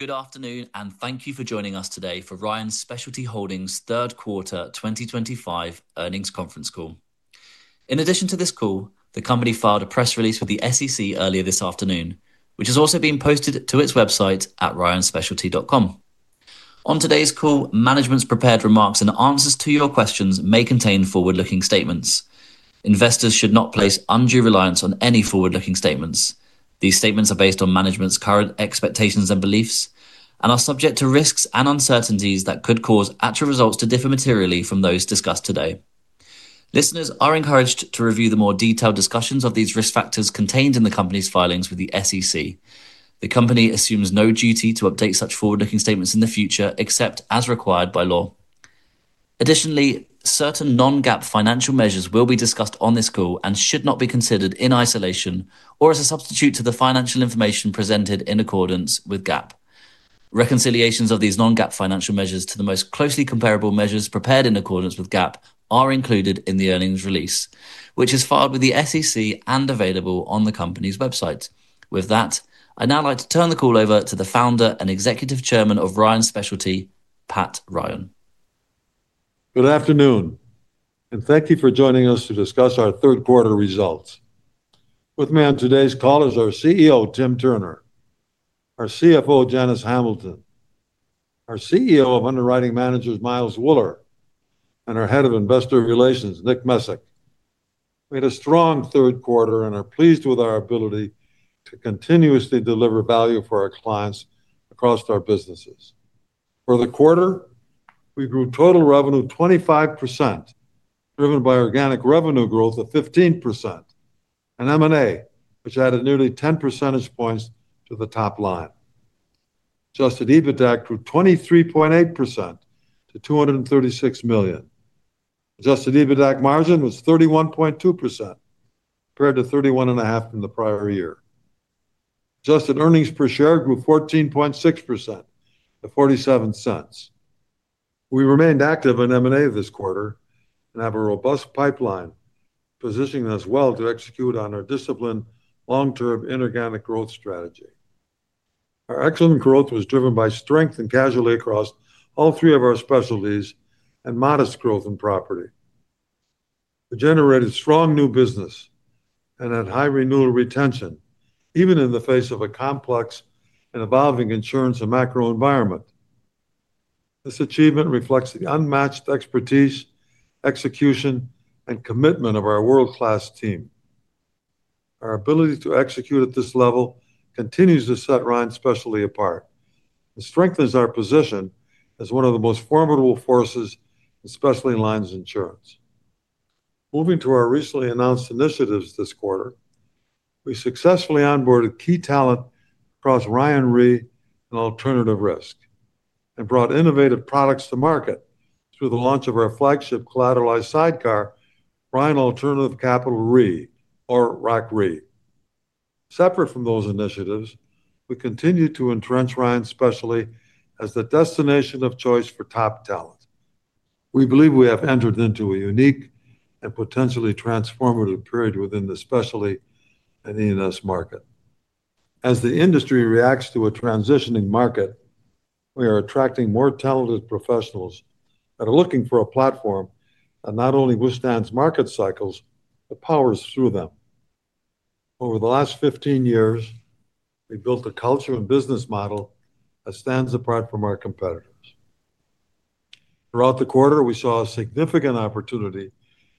Good afternoon, and thank you for joining us today for Ryan Specialty Holdings's third quarter 2025 earnings conference call. In addition to this call, the company filed a press release with the SEC earlier this afternoon, which has also been posted to its website at ryanspecialty.com. On today's call, management's prepared remarks and answers to your questions may contain forward-looking statements. Investors should not place undue reliance on any forward-looking statements. These statements are based on management's current expectations and beliefs and are subject to risks and uncertainties that could cause actual results to differ materially from those discussed today. Listeners are encouraged to review the more detailed discussions of these risk factors contained in the company's filings with the SEC. The company assumes no duty to update such forward-looking statements in the future except as required by law. Additionally, certain non-GAAP financial measures will be discussed on this call and should not be considered in isolation or as a substitute to the financial information presented in accordance with GAAP. Reconciliations of these non-GAAP financial measures to the most closely comparable measures prepared in accordance with GAAP are included in the earnings release, which is filed with the SEC and available on the company's website. With that, I'd now like to turn the call over to the Founder and Executive Chairman of Ryan Specialty, Pat Ryan. Good afternoon, and thank you for joining us to discuss our third-quarter results. With me on today's call is our CEO, Tim Turner, our CFO, Janice Hamilton, our CEO of Underwriting Managers, Miles Wuller, and our Head of Investor Relations, Nick Mesic. We had a strong third quarter and are pleased with our ability to continuously deliver value for our clients across our businesses. For the quarter, we grew total revenue 25%, driven by organic revenue growth of 15% and M&A, which added nearly 10% to the top line. Adjusted EBITDA grew 23.8% to $236 million. Adjusted EBITDA margin was 31.2%, compared to 31.5% from the prior year. Adjusted earnings per share grew 14.6% to $0.47. We remained active in M&A this quarter and have a robust pipeline, positioning us well to execute on our disciplined long-term inorganic growth strategy. Our excellent growth was driven by strength in casualty across all three of our specialties and modest growth in property. We generated strong new business and had high renewal retention, even in the face of a complex and evolving insurance and macro environment. This achievement reflects the unmatched expertise, execution, and commitment of our world-class team. Our ability to execute at this level continues to set Ryan Specialty Holdings Inc. apart and strengthens our position as one of the most formidable forces in Specialty Lines insurance. Moving to our recently announced initiatives this quarter, we successfully onboarded key talent across Ryan Re and alternative risk and brought innovative products to market through the launch of our flagship collateralized sidecar, Ryan Alternative Capital Re, or RAC Re. Separate from those initiatives, we continue to entrench Ryan Specialty Holdings Inc. as the destination of choice for top talent. We believe we have entered into a unique and potentially transformative period within the Specialty and E&S market. As the industry reacts to a transitioning market, we are attracting more talented professionals that are looking for a platform that not only withstands market cycles but powers through them. Over the last 15 years, we built a culture and business model that stands apart from our competitors. Throughout the quarter, we saw a significant opportunity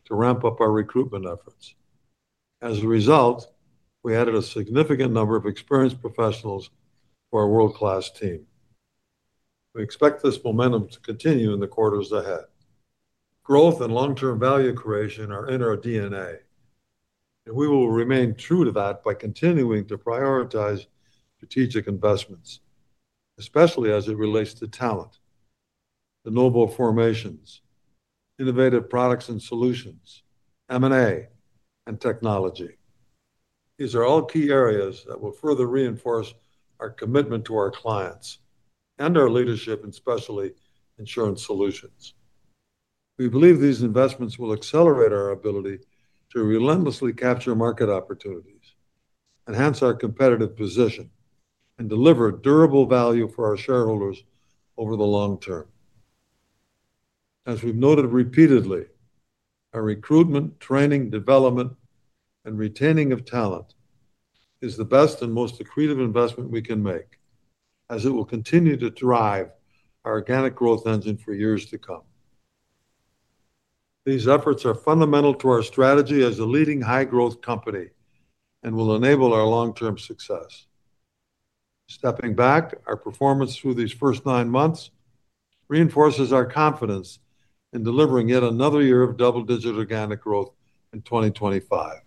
to ramp up our recruitment efforts. As a result, we added a significant number of experienced professionals to our world-class team. We expect this momentum to continue in the quarters ahead. Growth and long-term value creation are in our DNA. We will remain true to that by continuing to prioritize strategic investments, especially as it relates to talent, de novo formations, innovative products and solutions, M&A, and technology. These are all key areas that will further reinforce our commitment to our clients and our leadership in specialty insurance solutions. We believe these investments will accelerate our ability to relentlessly capture market opportunities, enhance our competitive position, and deliver durable value for our shareholders over the long-term. As we've noted repeatedly, our recruitment, training, development, and retaining of talent is the best and most accretive investment we can make, as it will continue to drive our organic growth engine for years to come. These efforts are fundamental to our strategy as a leading high-growth company and will enable our long-term success. Stepping back, our performance through these first nine months reinforces our confidence in delivering yet another year of double-digit organic growth in 2025,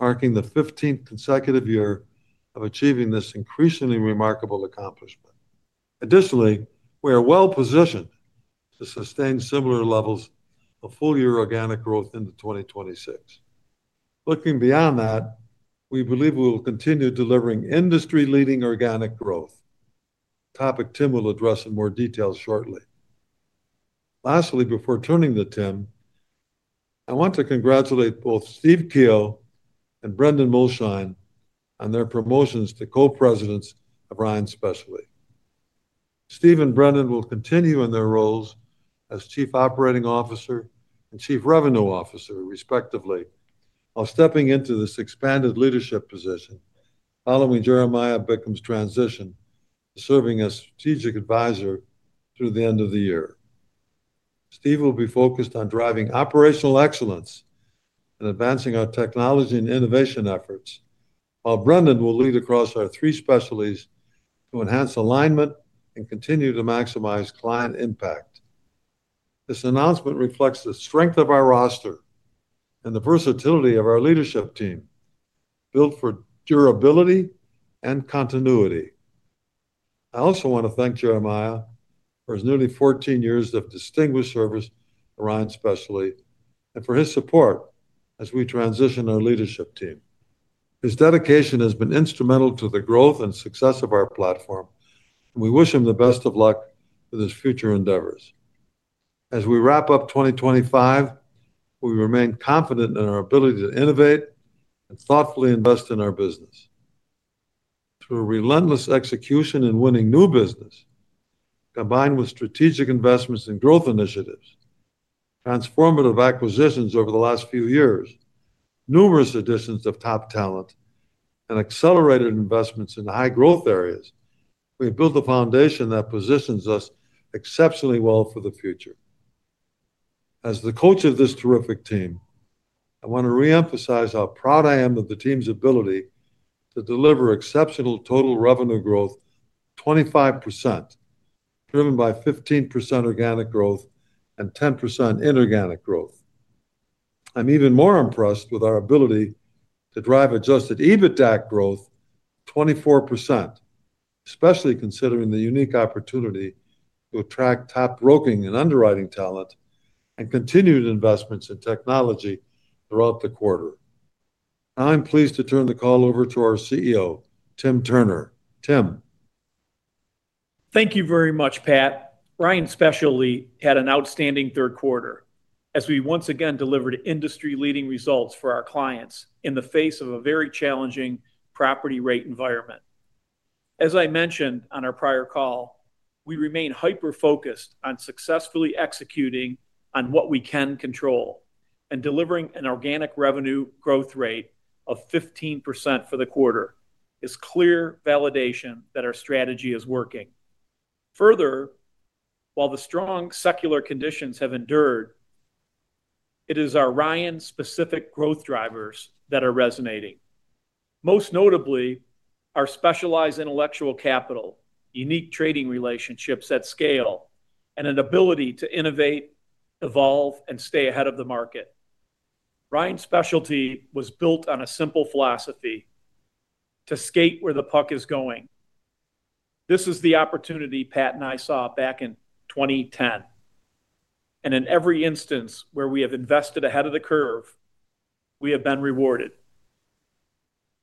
marking the 15th consecutive year of achieving this increasingly remarkable accomplishment. Additionally, we are well-positioned to sustain similar levels of full-year organic growth into 2026. Looking beyond that, we believe we will continue delivering industry-leading organic growth, a topic Tim will address in more detail shortly. Lastly, before turning to Tim, I want to congratulate both Steve Keel and Brendan Mulshine on their promotions to Co-Presidents of Ryan Specialty. Steve and Brendan will continue in their roles as Chief Operating Officer and Chief Revenue Officer, respectively, while stepping into this expanded leadership position following Jeremiah Bickham's transition to serving as Strategic Advisor through the end of the year. Steve will be focused on driving operational excellence and advancing our technology and innovation efforts, while Brendan will lead across our three specialties to enhance alignment and continue to maximize client impact. This announcement reflects the strength of our roster and the versatility of our leadership team, built for durability and continuity. I also want to thank Jeremiah for his nearly 14 years of distinguished service to Ryan Specialty and for his support as we transition our leadership team. His dedication has been instrumental to the growth and success of our platform, and we wish him the best of luck with his future endeavors. As we wrap up 2025. We remain confident in our ability to innovate and thoughtfully invest in our business through relentless execution and winning new business, combined with strategic investments and growth initiatives. Transformative acquisitions over the last few years, numerous additions of top talent, and accelerated investments in high-growth areas have built a foundation that positions us exceptionally well for the future. As the coach of this terrific team, I want to re-emphasize how proud I am of the team's ability to deliver exceptional total revenue growth of 25%, driven by 15% organic growth and 10% inorganic growth. I'm even more impressed with our ability to drive adjusted EBITDA growth of 24%, especially considering the unique opportunity to attract top broking and underwriting talent and continued investments in technology throughout the quarter. Now I'm pleased to turn the call over to our CEO, Tim Turner. Tim. Thank you very much, Pat. Ryan Specialty had an outstanding third quarter as we once again delivered industry-leading results for our clients in the face of a very challenging property rate environment. As I mentioned on our prior call, we remain hyper-focused on successfully executing on what we can control, and delivering an organic revenue growth rate of 15% for the quarter is clear validation that our strategy is working. Further, while the strong secular conditions have endured, it is our Ryan-specific growth drivers that are resonating. Most notably, our specialized intellectual capital, unique trading relationships at scale, and an ability to innovate, evolve, and stay ahead of the market. Ryan Specialty was built on a simple philosophy: to skate where the puck is going. This is the opportunity Pat and I saw back in 2010, and in every instance where we have invested ahead of the curve, we have been rewarded.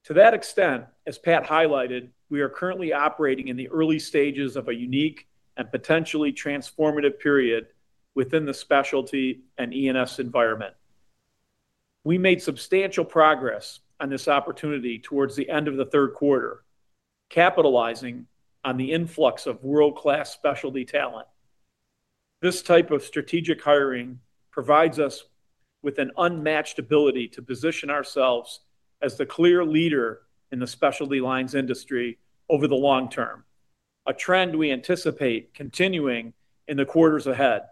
To that extent, as Pat highlighted, we are currently operating in the early stages of a unique and potentially transformative period within the specialty and E&S environment. We made substantial progress on this opportunity towards the end of the third quarter, capitalizing on the influx of world-class specialty talent. This type of strategic hiring provides us with an unmatched ability to position ourselves as the clear leader in the specialty lines industry over the long-term, a trend we anticipate continuing in the quarters ahead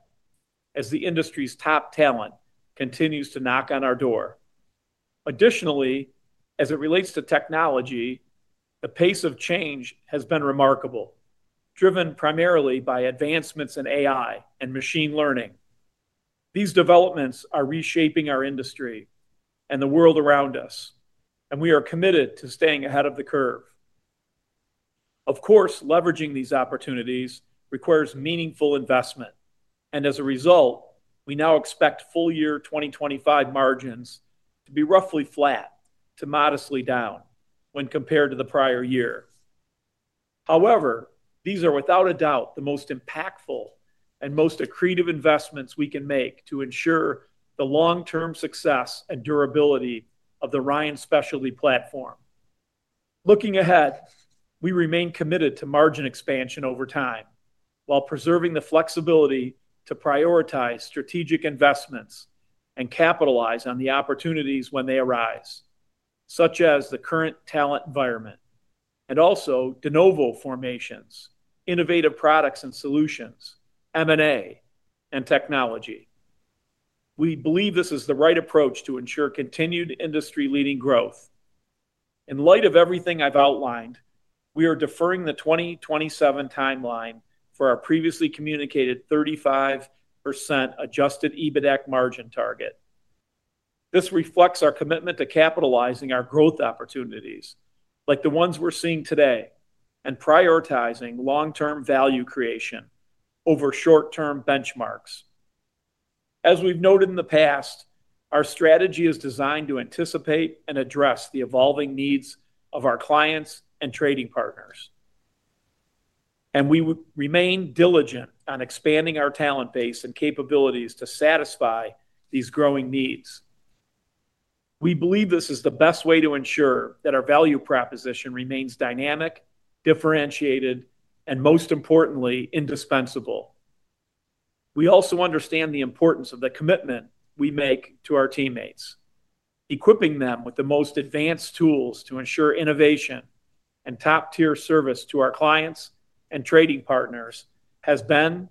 as the industry's top talent continues to knock on our door. Additionally, as it relates to technology, the pace of change has been remarkable, driven primarily by advancements in AI and machine learning. These developments are reshaping our industry and the world around us, and we are committed to staying ahead of the curve. Of course, leveraging these opportunities requires meaningful investment, and as a result, we now expect full-year 2025 margins to be roughly flat to modestly down when compared to the prior year. However, these are without a doubt the most impactful and most accretive investments we can make to ensure the long-term success and durability of the Ryan Specialty platform. Looking ahead, we remain committed to margin expansion over time while preserving the flexibility to prioritize strategic investments and capitalize on the opportunities when they arise, such as the current talent environment and also de novo formations, innovative products and solutions, M&A, and technology. We believe this is the right approach to ensure continued industry-leading growth. In light of everything I've outlined, we are deferring the 2027 timeline for our previously communicated 35% adjusted EBITDA margin target. This reflects our commitment to capitalizing our growth opportunities like the ones we're seeing today and prioritizing long-term value creation over short-term benchmarks. As we've noted in the past, our strategy is designed to anticipate and address the evolving needs of our clients and trading partners. We remain diligent on expanding our talent base and capabilities to satisfy these growing needs. We believe this is the best way to ensure that our value proposition remains dynamic, differentiated, and most importantly, indispensable. We also understand the importance of the commitment we make to our teammates. Equipping them with the most advanced tools to ensure innovation and top-tier service to our clients and trading partners has been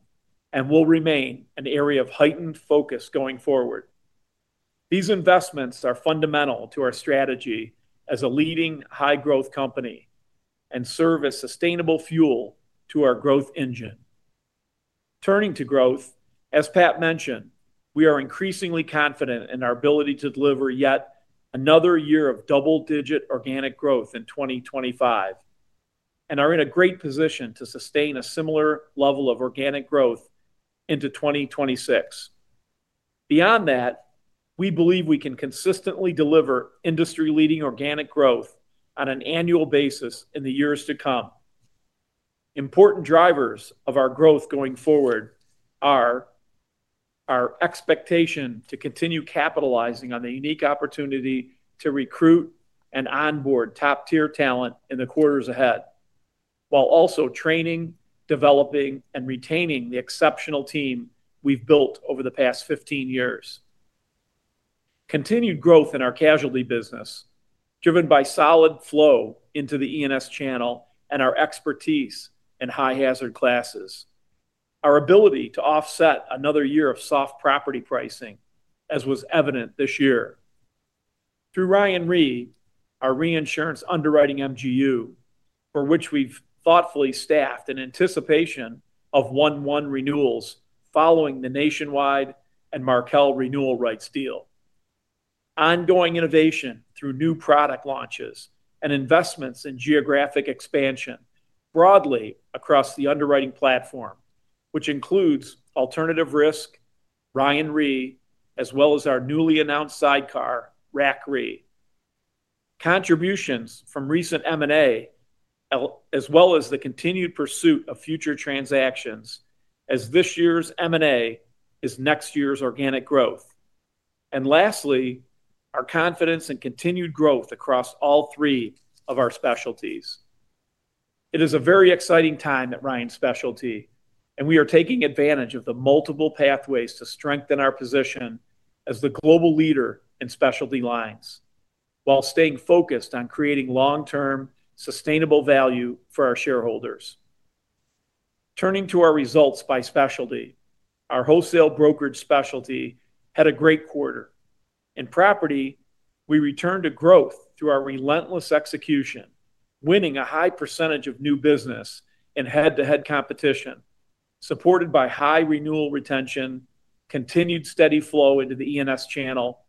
and will remain an area of heightened focus going forward. These investments are fundamental to our strategy as a leading high-growth company and serve as sustainable fuel to our growth engine. Turning to growth, as Pat mentioned, we are increasingly confident in our ability to deliver yet another year of double-digit organic growth in 2025 and are in a great position to sustain a similar level of organic growth into 2026. Beyond that, we believe we can consistently deliver industry-leading organic growth on an annual basis in the years to come. Important drivers of our growth going forward are our expectation to continue capitalizing on the unique opportunity to recruit and onboard top-tier talent in the quarters ahead while also training, developing, and retaining the exceptional team we've built over the past 15 years. Continued growth in our casualty business, driven by solid flow into the E&S channel and our expertise in high-hazard classes, our ability to offset another year of soft property pricing, as was evident this year through Ryan Re, our reinsurance underwriting MGU, for which we've thoughtfully staffed in anticipation of 1-1 renewals following the Nationwide and Markel renewal rights deal. Ongoing innovation through new product launches and investments in geographic expansion broadly across the underwriting platform, which includes alternative risk solutions, Ryan Re, as well as our newly announced sidecar, RAC Re. Contributions from recent M&A. As well as the continued pursuit of future transactions as this year's M&A is next year's organic growth. Lastly, our confidence in continued growth across all three of our specialties. It is a very exciting time at Ryan Specialty, and we are taking advantage of the multiple pathways to strengthen our position as the global leader in specialty lines while staying focused on creating long-term sustainable value for our shareholders. Turning to our results by specialty, our wholesale brokerage specialty had a great quarter. In property, we returned to growth through our relentless execution, winning a high percentage of new business in head-to-head competition, supported by high renewal retention, continued steady flow into the E&S channel,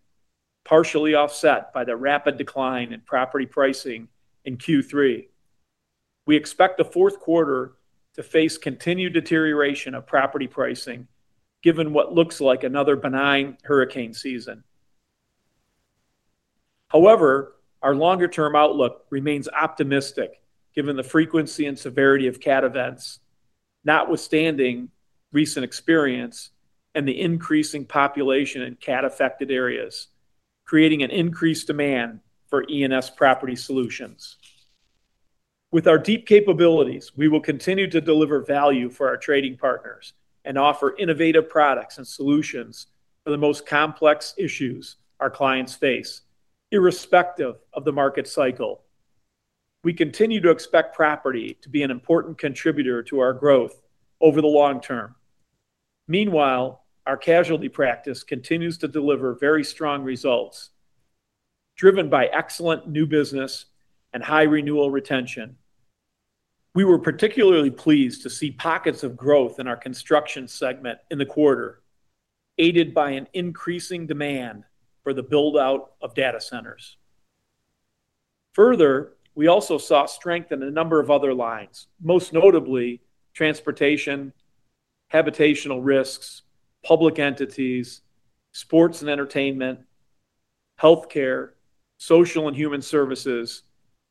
partially offset by the rapid decline in property pricing in Q3. We expect the fourth quarter to face continued deterioration of property pricing given what looks like another benign hurricane season. However, our longer-term outlook remains optimistic given the frequency and severity of cat events, notwithstanding recent experience and the increasing population in cat-affected areas, creating an increased demand for E&S property solutions. With our deep capabilities, we will continue to deliver value for our trading partners and offer innovative products and solutions for the most complex issues our clients face, irrespective of the market cycle. We continue to expect property to be an important contributor to our growth over the long-term. Meanwhile, our casualty practice continues to deliver very strong results, driven by excellent new business and high renewal retention. We were particularly pleased to see pockets of growth in our construction segment in the quarter, aided by an increasing demand for the build-out of data centers. Further, we also saw strength in a number of other lines, most notably transportation, habitational risks, public entities, sports and entertainment, healthcare, social and human services,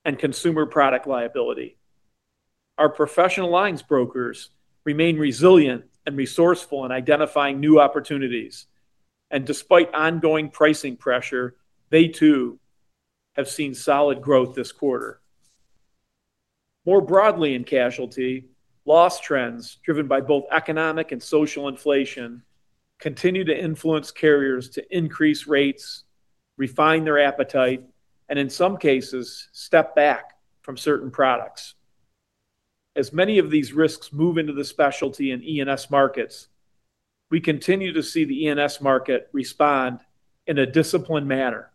and consumer product liability. Our professional lines brokers remain resilient and resourceful in identifying new opportunities. Despite ongoing pricing pressure, they too have seen solid growth this quarter. More broadly in casualty, loss trends driven by both economic and social inflation continue to influence carriers to increase rates, refine their appetite, and in some cases, step back from certain products. As many of these risks move into the specialty and E&S markets, we continue to see the E&S market respond in a disciplined manner.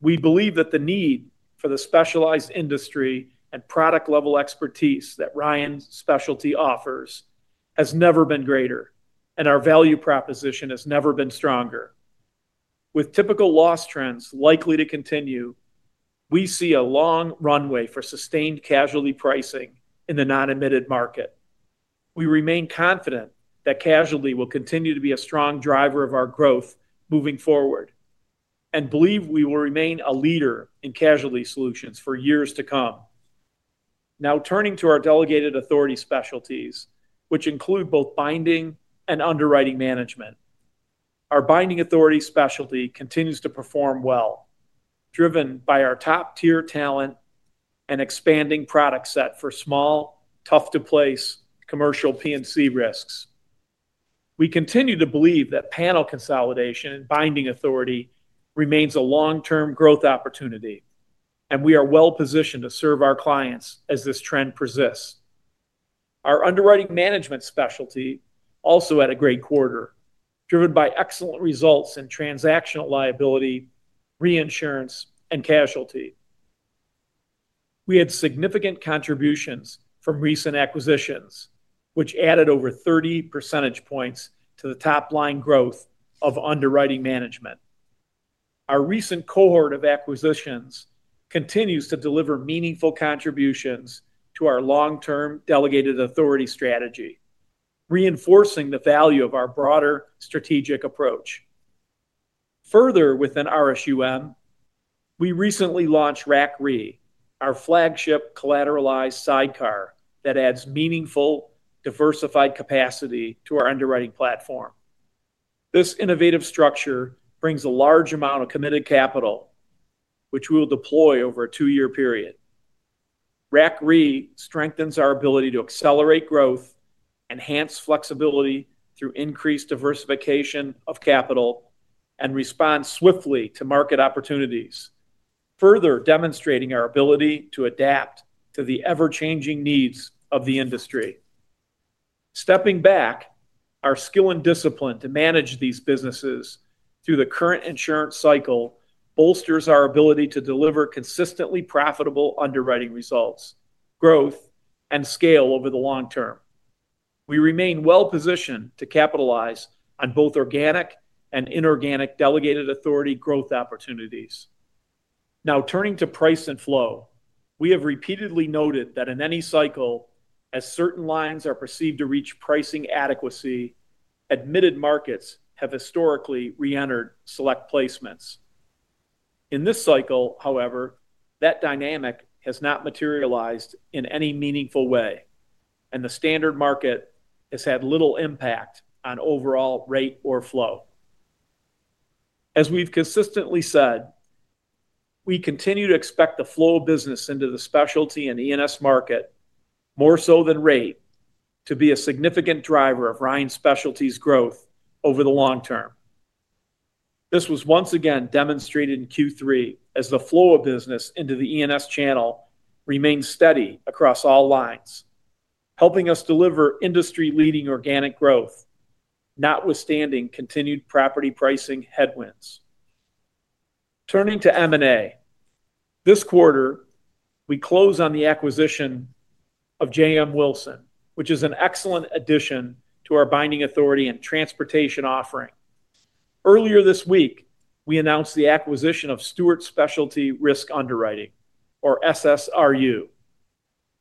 We believe that the need for the specialized industry and product-level expertise that Ryan Specialty offers has never been greater, and our value proposition has never been stronger. With typical loss trends likely to continue, we see a long runway for sustained casualty pricing in the non-admitted market. We remain confident that casualty will continue to be a strong driver of our growth moving forward and believe we will remain a leader in casualty solutions for years to come. Now turning to our delegated authority specialties, which include both binding and underwriting management. Our binding authority specialty continues to perform well, driven by our top-tier talent and expanding product set for small, tough-to-place commercial P&C risks. We continue to believe that panel consolidation and binding authority remains a long-term growth opportunity, and we are well-positioned to serve our clients as this trend persists. Our underwriting management specialty also had a great quarter, driven by excellent results in transactional liability, reinsurance, and casualty. We had significant contributions from recent acquisitions, which added over 30% to the top-line growth of underwriting management. Our recent cohort of acquisitions continues to deliver meaningful contributions to our long-term delegated authority strategy, reinforcing the value of our broader strategic approach. Further within RSUM, we recently launched RAC Re, our flagship collateralized sidecar that adds meaningful, diversified capacity to our underwriting platform. This innovative structure brings a large amount of committed capital, which we will deploy over a two-year period. RAC Re strengthens our ability to accelerate growth, enhance flexibility through increased diversification of capital, and respond swiftly to market opportunities, further demonstrating our ability to adapt to the ever-changing needs of the industry. Stepping back, our skill and discipline to manage these businesses through the current insurance cycle bolsters our ability to deliver consistently profitable underwriting results, growth, and scale over the long-term. We remain well-positioned to capitalize on both organic and inorganic delegated authority growth opportunities. Now turning to price and flow, we have repeatedly noted that in any cycle, as certain lines are perceived to reach pricing adequacy, admitted markets have historically re-entered select placements. In this cycle, however, that dynamic has not materialized in any meaningful way, and the standard market has had little impact on overall rate or flow. As we've consistently said, we continue to expect the flow of business into the specialty and E&S market, more so than rate, to be a significant driver of Ryan Specialty's growth over the long-term. This was once again demonstrated in Q3 as the flow of business into the E&S channel remained steady across all lines, helping us deliver industry-leading organic growth, notwithstanding continued property pricing headwinds. Turning to M&A, this quarter, we closed on the acquisition of J.M. Wilson, which is an excellent addition to our binding authority and transportation offering. Earlier this week, we announced the acquisition of Stewart Specialty Risk Underwriting, or SSRU.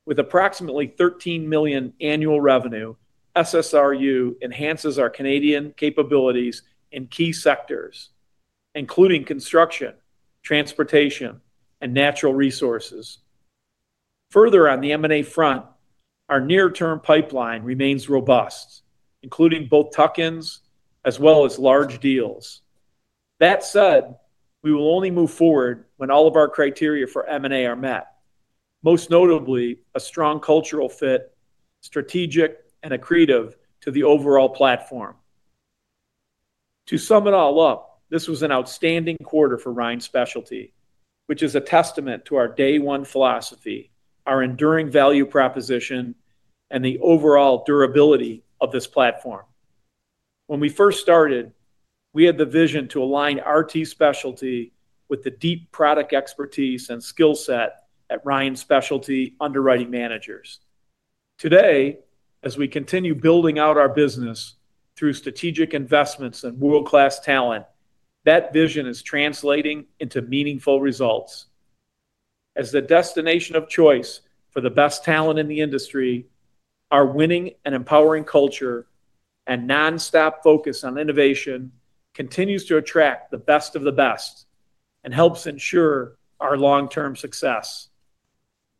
With approximately $13 million annual revenue, SSRU enhances our Canadian capabilities in key sectors, including construction, transportation, and natural resources. Further on the M&A front, our near-term pipeline remains robust, including both tuck-ins as well as large deals. That said, we will only move forward when all of our criteria for M&A are met, most notably a strong cultural fit, strategic, and accretive to the overall platform. To sum it all up, this was an outstanding quarter for Ryan Specialty, which is a testament to our day-one philosophy, our enduring value proposition, and the overall durability of this platform. When we first started, we had the vision to align RT Specialty with the deep product expertise and skill set at Ryan Specialty Underwriting Managers. Today, as we continue building out our business through strategic investments and world-class talent, that vision is translating into meaningful results. As the destination of choice for the best talent in the industry, our winning and empowering culture and nonstop focus on innovation continues to attract the best of the best and helps ensure our long-term success.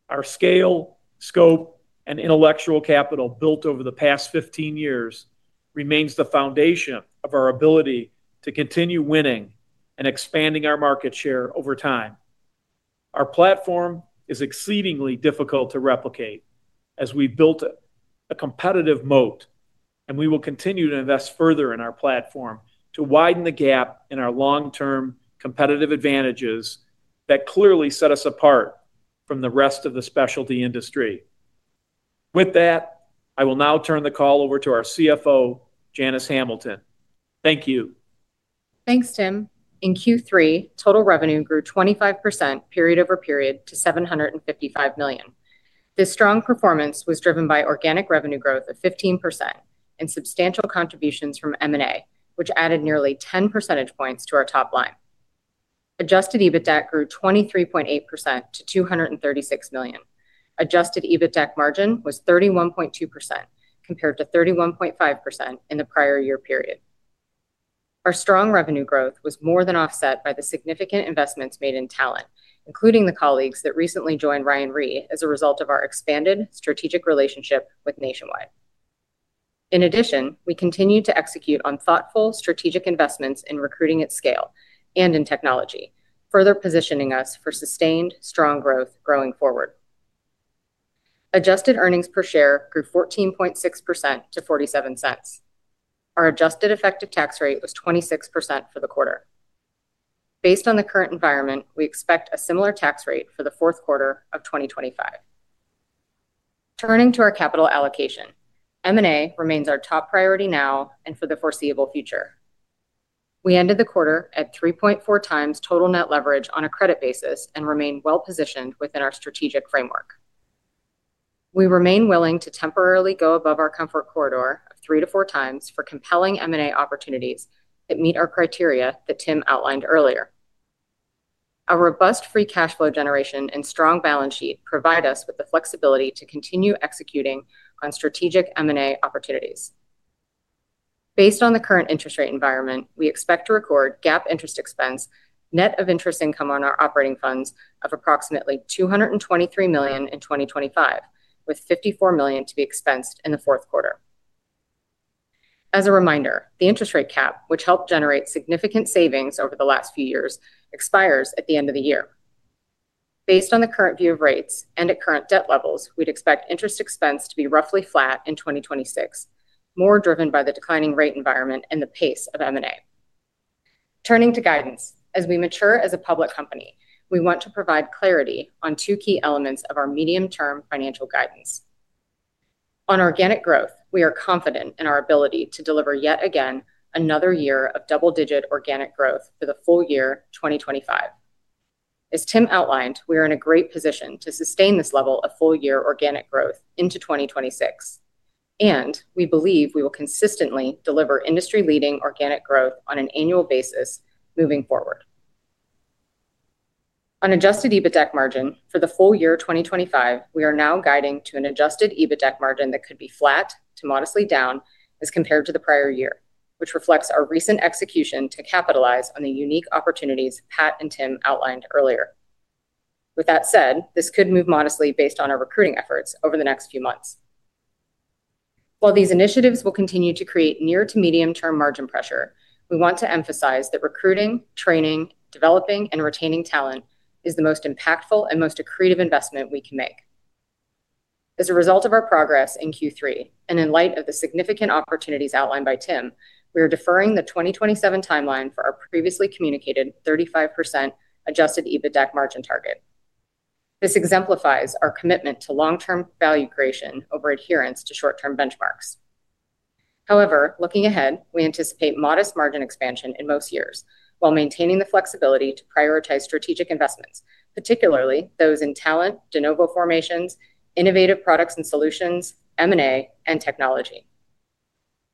Our scale, scope, and intellectual capital built over the past 15 years remains the foundation of our ability to continue winning and expanding our market share over time. Our platform is exceedingly difficult to replicate as we've built a competitive moat, and we will continue to invest further in our platform to widen the gap in our long-term competitive advantages that clearly set us apart from the rest of the specialty industry. With that, I will now turn the call over to our CFO, Janice Hamilton. Thank you. Thanks, Tim. In Q3, total revenue grew 25% period over period to $755 million. This strong performance was driven by organic revenue growth of 15% and substantial contributions from M&A, which added nearly 10% to our top line. Adjusted EBITDA grew 23.8% to $236 million. Adjusted EBITDA margin was 31.2% compared to 31.5% in the prior year period. Our strong revenue growth was more than offset by the significant investments made in talent, including the colleagues that recently joined Ryan Re as a result of our expanded strategic relationship with Nationwide. In addition, we continue to execute on thoughtful strategic investments in recruiting at scale and in technology, further positioning us for sustained strong growth going forward. Adjusted earnings per share grew 14.6% to $0.47. Our adjusted effective tax rate was 26% for the quarter. Based on the current environment, we expect a similar tax rate for the fourth quarter of 2025. Turning to our capital allocation, M&A remains our top priority now and for the foreseeable future. We ended the quarter at 3.4x total net leverage on a credit basis and remain well-positioned within our strategic framework. We remain willing to temporarily go above our comfort corridor of 3x-4x for compelling M&A opportunities that meet our criteria that Tim outlined earlier. A robust free cash flow generation and strong balance sheet provide us with the flexibility to continue executing on strategic M&A opportunities. Based on the current interest rate environment, we expect to record GAAP interest expense, net of interest income on our operating funds of approximately $223 million in 2025, with $54 million to be expensed in the fourth quarter. As a reminder, the interest rate cap, which helped generate significant savings over the last few years, expires at the end of the year. Based on the current view of rates and at current debt levels, we'd expect interest expense to be roughly flat in 2026, more driven by the declining rate environment and the pace of M&A. Turning to guidance, as we mature as a public company, we want to provide clarity on two key elements of our medium-term financial guidance. On organic growth, we are confident in our ability to deliver yet again another year of double-digit organic growth for the full year 2025. As Tim outlined, we are in a great position to sustain this level of full-year organic growth into 2026. We believe we will consistently deliver industry-leading organic growth on an annual basis moving forward. On adjusted EBITDA margin for the full year 2025, we are now guiding to an adjusted EBITDA margin that could be flat to modestly down as compared to the prior year, which reflects our recent execution to capitalize on the unique opportunities Pat and Tim outlined earlier. With that said, this could move modestly based on our recruiting efforts over the next few months. While these initiatives will continue to create near-to-medium-term margin pressure, we want to emphasize that recruiting, training, developing, and retaining talent is the most impactful and most accretive investment we can make. As a result of our progress in Q3 and in light of the significant opportunities outlined by Tim, we are deferring the 2027 timeline for our previously communicated 35% adjusted EBITDA margin target. This exemplifies our commitment to long-term value creation over adherence to short-term benchmarks. However, looking ahead, we anticipate modest margin expansion in most years while maintaining the flexibility to prioritize strategic investments, particularly those in talent, de novo formations, innovative products and solutions, M&A, and technology.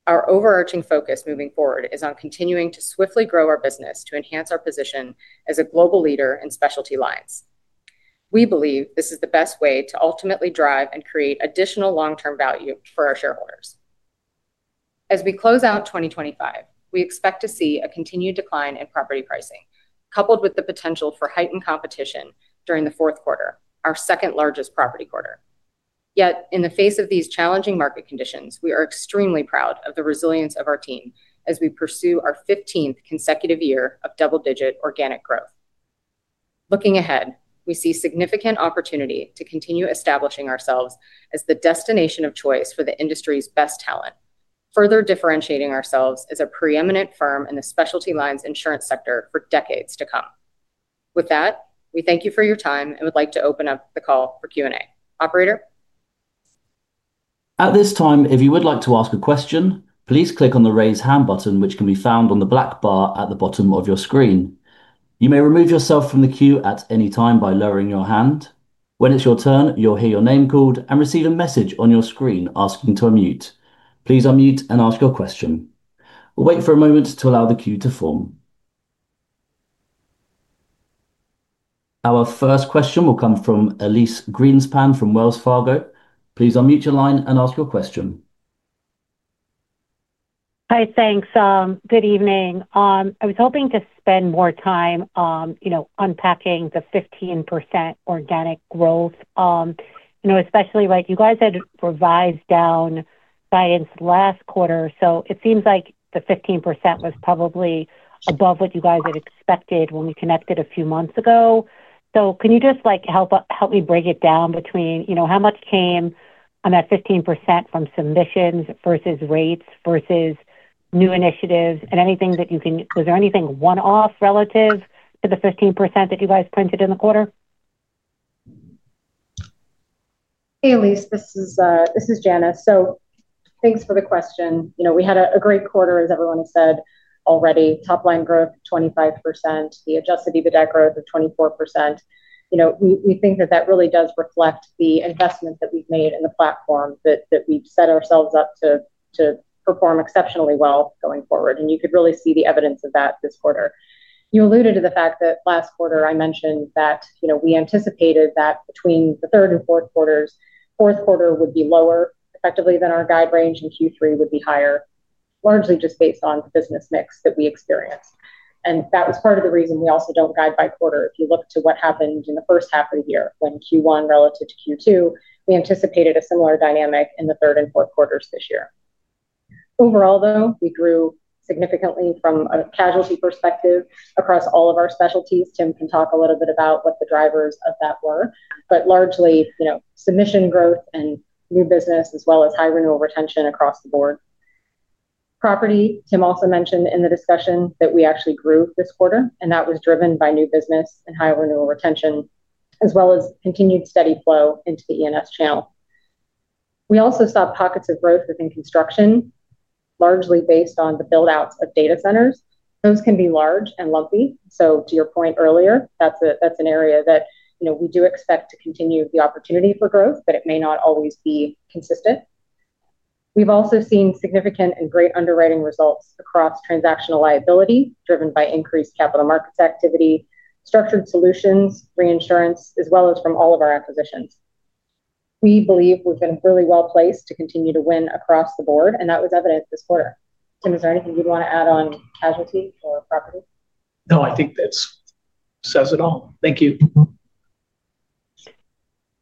Our overarching focus moving forward is on continuing to swiftly grow our business to enhance our position as a global leader in specialty lines. We believe this is the best way to ultimately drive and create additional long-term value for our shareholders. As we close out 2025, we expect to see a continued decline in property pricing, coupled with the potential for heightened competition during the fourth quarter, our second largest property quarter. Yet, in the face of these challenging market conditions, we are extremely proud of the resilience of our team as we pursue our 15th consecutive year of double-digit organic growth. Looking ahead, we see significant opportunity to continue establishing ourselves as the destination of choice for the industry's best talent, further differentiating ourselves as a preeminent firm in the specialty lines insurance sector for decades to come. With that, we thank you for your time and would like to open up the call for Q&A. Operator? At this time, if you would like to ask a question, please click on the raise hand button, which can be found on the black bar at the bottom of your screen. You may remove yourself from the queue at any time by lowering your hand. When it's your turn, you'll hear your name called and receive a message on your screen asking to unmute. Please unmute and ask your question. We'll wait for a moment to allow the queue to form. Our first question will come from Elyse Greenspan from Wells Fargo. Please unmute your line and ask your question. Hi, thanks. Good evening. I was hoping to spend more time unpacking the 15% organic growth, especially like you guys had revised down guidance last quarter. It seems like the 15% was probably above what you guys had expected when we connected a few months ago. Can you just help me break it down between how much came on that 15% from submissions versus rates versus new initiatives and anything that you can—was there anything one-off relative to the 15% that you guys printed in the quarter? Hey, Elyse, this is Janice. So thanks for the question. We had a great quarter, as everyone has said already. Top-line growth of 25%, the adjusted EBITDA growth of 24%. We think that really does reflect the investment that we've made in the platform that we've set ourselves up to perform exceptionally well going forward. You could really see the evidence of that this quarter. You alluded to the fact that last quarter, I mentioned that we anticipated that between the third and fourth quarters, fourth quarter would be lower effectively than our guide range and Q3 would be higher, largely just based on the business mix that we experienced. That was part of the reason we also don't guide by quarter. If you look to what happened in the first half of the year when Q1 relative to Q2, we anticipated a similar dynamic in the third and fourth quarters this year. Overall, though, we grew significantly from a casualty perspective across all of our specialties. Tim can talk a little bit about what the drivers of that were, but largely submission growth and new business as well as high renewal retention across the board. Property, Tim also mentioned in the discussion that we actually grew this quarter, and that was driven by new business and high renewal retention as well as continued steady flow into the E&S channel. We also saw pockets of growth within construction, largely based on the buildouts of data centers. Those can be large and lumpy. To your point earlier, that's an area that we do expect to continue the opportunity for growth, but it may not always be consistent. We've also seen significant and great underwriting results across transactional liability driven by increased capital markets activity, structured solutions, reinsurance, as well as from all of our acquisitions. We believe we've been really well placed to continue to win across the board, and that was evident this quarter. Tim, is there anything you'd want to add on casualty or property? No, I think that says it all. Thank you.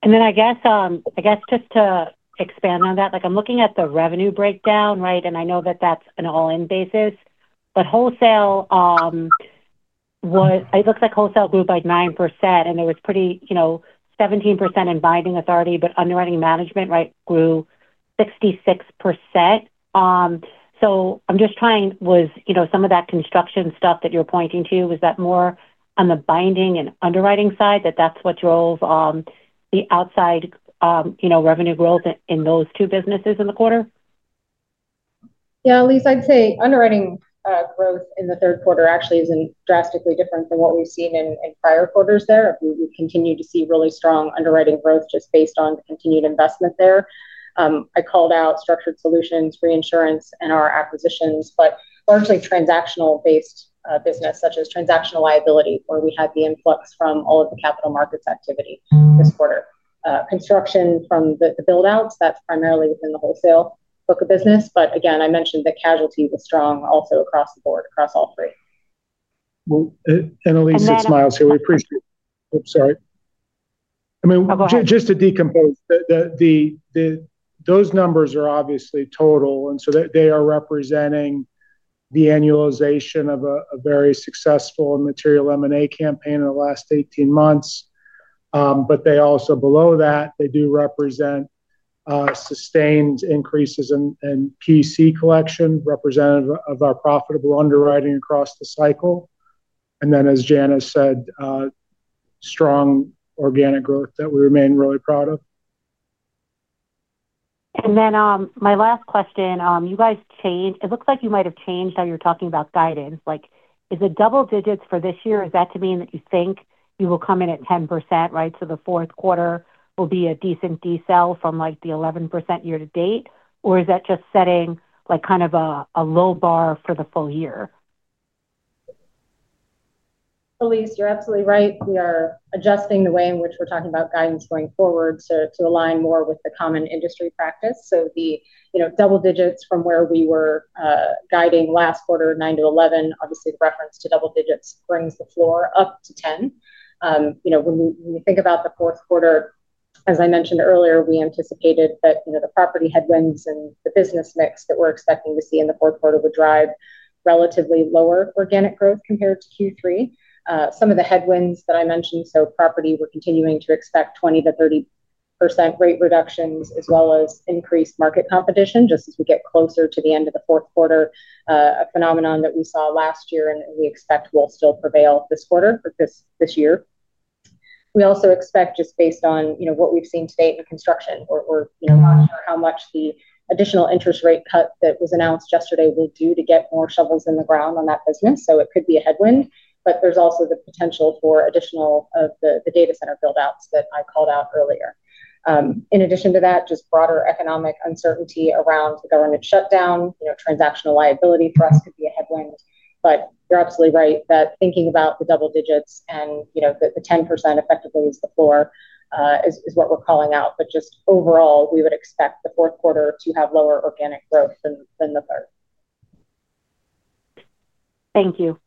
Just to expand on that, I'm looking at the revenue breakdown, right? I know that that's an all-in basis, but wholesale. It looks like wholesale grew by 9%, and there was pretty 17% in binding authority, but underwriting management grew 66%. I'm just trying—was some of that construction stuff that you're pointing to, was that more on the binding and underwriting side that that's what drove the outside revenue growth in those two businesses in the quarter? Yeah, Elyse, I'd say underwriting growth in the third quarter actually isn't drastically different than what we've seen in prior quarters there. We continue to see really strong underwriting growth just based on continued investment there. I called out structured solutions, reinsurance, and our acquisitions, but largely transactional-based business such as transactional liability, where we had the influx from all of the capital markets activity this quarter. Construction from the buildouts, that's primarily within the wholesale book of business. I mentioned the casualty was strong also across the board, across all three. Elyse, it's Miles here. We appreciate it. Sorry. Just to decompose. Those numbers are obviously total, and so they are representing the annualization of a very successful and material M&A campaign in the last 18 months. They also below that, they do represent sustained increases in PC collection are representative of our profitable underwriting across the cycle. As Janice said, strong organic growth that we remain really proud of. My last question, you guys changed—it looks like you might have changed how you're talking about guidance. Is it double-digits for this year? Is that to mean that you think you will come in at 10%, right? The fourth quarter will be a decent desell from the 11% year-to-date, or is that just setting kind of a low bar for the full year? Elyse, you're absolutely right. We are adjusting the way in which we're talking about guidance going forward to align more with the common industry practice. The double-digits from where we were guiding last quarter, 9%-11%, obviously the reference to double-digits brings the floor up to 10%. When we think about the fourth quarter, as I mentioned earlier, we anticipated that the property headwinds and the business mix that we're expecting to see in the fourth quarter would drive relatively lower organic growth compared to Q3. Some of the headwinds that I mentioned, property, we're continuing to expect 20%-30% rate reductions as well as increased market competition just as we get closer to the end of the fourth quarter, a phenomenon that we saw last year and we expect will still prevail this quarter or this year. We also expect, just based on what we've seen today in construction, we're not sure how much the additional interest rate cut that was announced yesterday will do to get more shovels in the ground on that business. It could be a headwind, but there's also the potential for additional data center buildouts that I called out earlier. In addition to that, just broader economic uncertainty around the government shutdown, transactional liability for us could be a headwind. You're absolutely right that thinking about the double-digits and the 10% effectively is the floor, is what we're calling out. Overall, we would expect the fourth quarter to have lower organic growth than the third. Thank you.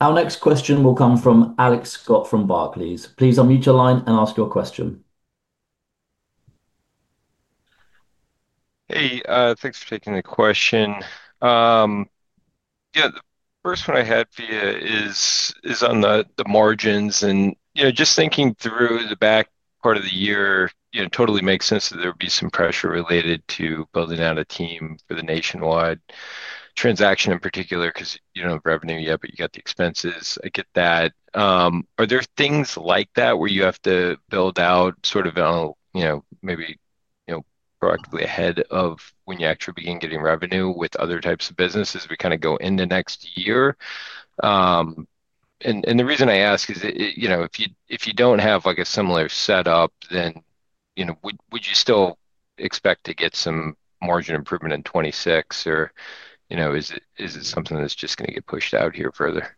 Our next question will come from Alex Scott from Barclays. Please unmute your line and ask your question. Hey, thanks for taking the question. The first one I had for you is on the margins. Just thinking through the back part of the year, it totally makes sense that there would be some pressure related to building out a team for the Nationwide Mutual transaction in particular because you do not have revenue yet, but you have the expenses. I get that. Are there things like that where you have to build out, maybe proactively ahead of when you actually begin getting revenue with other types of business as we go into next year? The reason I ask is if you do not have a similar setup, would you still expect to get some margin improvement in 2026, or is it something that is just going to get pushed out further?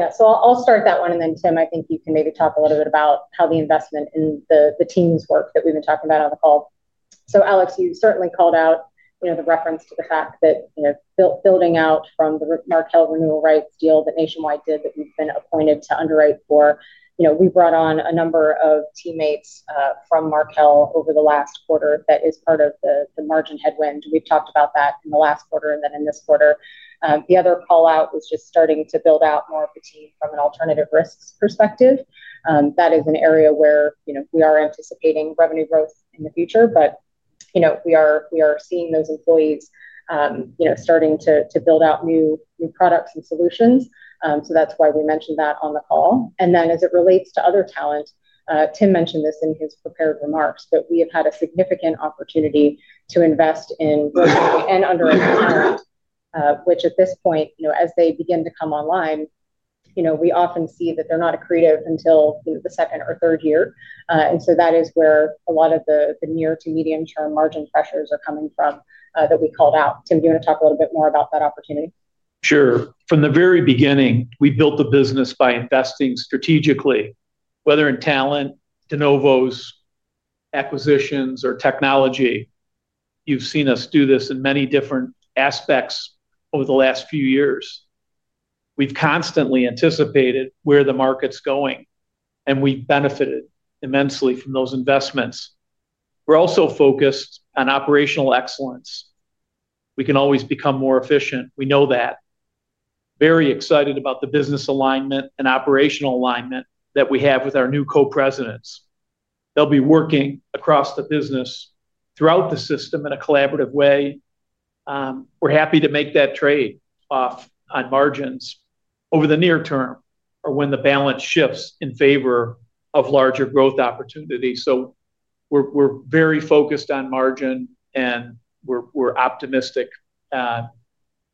I will start that one. Tim, I think you can maybe talk a little bit about how the investment in the teams works that we have been talking about on the call. Alex, you certainly called out the reference to the fact that building out from the Markel renewal rights deal that Nationwide Mutual did, that we have been appointed to underwrite for, we brought on a number of teammates from Markel over the last quarter. That is part of the margin headwind. We have talked about that in the last quarter and then in this quarter. The other callout was just starting to build out more of a team from an alternative risk solutions perspective. That is an area where we are anticipating revenue growth in the future, but we are seeing those employees starting to build out new products and solutions. That is why we mentioned that on the call. As it relates to other talent, Tim mentioned this in his prepared remarks, but we have had a significant opportunity to invest in underwriting talent, which at this point, as they begin to come online, we often see that they are not accretive until the second or third year. That is where a lot of the near to medium-term margin pressures are coming from that we called out. Tim, do you want to talk a little bit more about that opportunity? Sure. From the very beginning, we built the business by investing strategically, whether in talent, de novo formations, acquisitions, or technology. You have seen us do this in many different aspects over the last few years. We have constantly anticipated where the market is going, and we have benefited immensely from those investments. We are also focused on operational excellence. We can always become more efficient. We know that. Very excited about the business alignment and operational alignment that we have with our new Co-Presidents. They'll be working across the business throughout the system in a collaborative way. We're happy to make that trade-off on margins over the near term or when the balance shifts in favor of larger growth opportunities. We're very focused on margin, and we're optimistic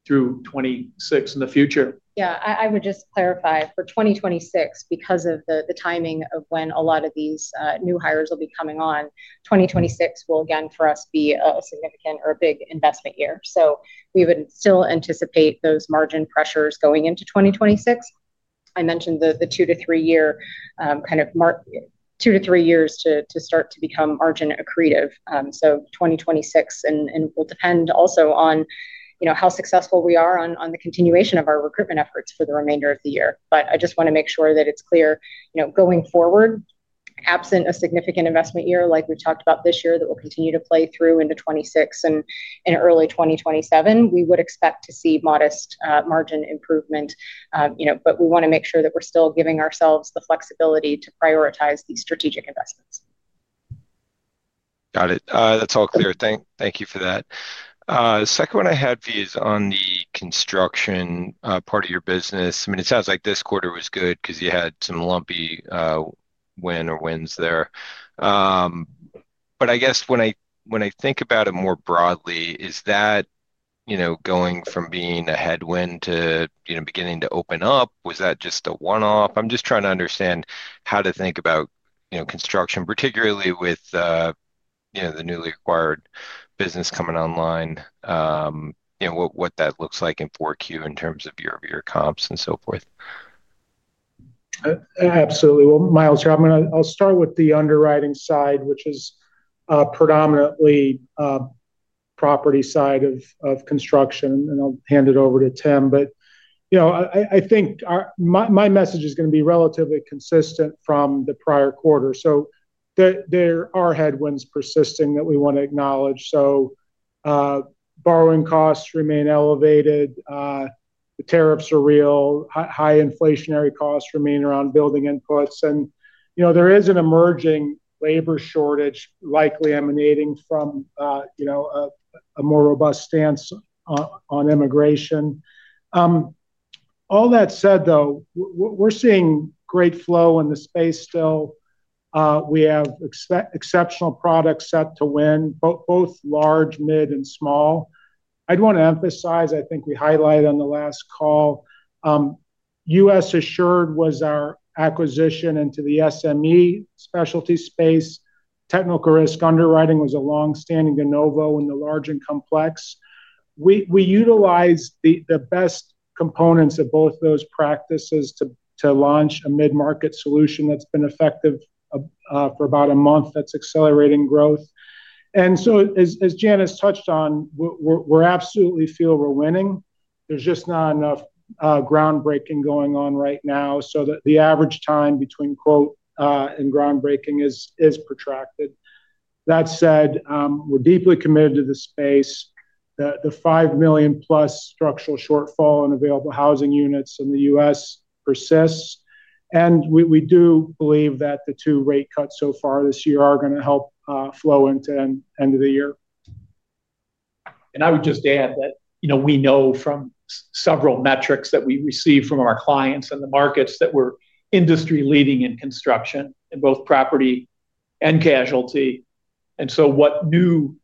through 2026 and the future. I would just clarify for 2026, because of the timing of when a lot of these new hires will be coming on, 2026 will, again, for us, be a significant or a big investment year. We would still anticipate those margin pressures going into 2026. I mentioned the two to three-year kind of two to three years to start to become margin accretive. 2026 will depend also on how successful we are on the continuation of our recruitment efforts for the remainder of the year. I just want to make sure that it's clear going forward. Absent a significant investment year like we've talked about this year that will continue to play through into 2026 and early 2027, we would expect to see modest margin improvement. We want to make sure that we're still giving ourselves the flexibility to prioritize these strategic investments. Got it. That's all clear. Thank you for that. The second one I had for you is on the construction part of your business. It sounds like this quarter was good because you had some lumpy win or wins there. I guess when I think about it more broadly, is that going from being a headwind to beginning to open up? Was that just a one-off? I'm just trying to understand how to think about construction, particularly with the newly acquired business coming online, what that looks like in 4Q in terms of your comps and so forth. Absolutely. Miles, I'm going to start with the underwriting side, which is predominantly property side of construction, and I'll hand it over to Tim. I think my message is going to be relatively consistent from the prior quarter. There are headwinds persisting that we want to acknowledge. Borrowing costs remain elevated. The tariffs are real, high inflationary costs remain around building inputs, and there is an emerging labor shortage likely emanating from a more robust stance on immigration. All that said, though, we're seeing great flow in the space still. We have exceptional products set to win, both large, mid, and small. I'd want to emphasize, I think we highlighted on the last call, US Assured was our acquisition into the SME specialty space. Technical risk underwriting was a long-standing de novo in the large and complex. We utilized the best components of both those practices to launch a mid-market solution that's been effective for about a month that's accelerating growth. As Janice touched on, we absolutely feel we're winning. There's just not enough groundbreaking going on right now, so the average time between groundbreaking is protracted. That said, we're deeply committed to the space. The $5+ million structural shortfall in available housing units in the U.S. persists. We do believe that the two rate cuts so far this year are going to help flow into the end of the year. I would just add that we know from several metrics that we receive from our clients and the markets that we're industry-leading in construction in both property and casualty. When new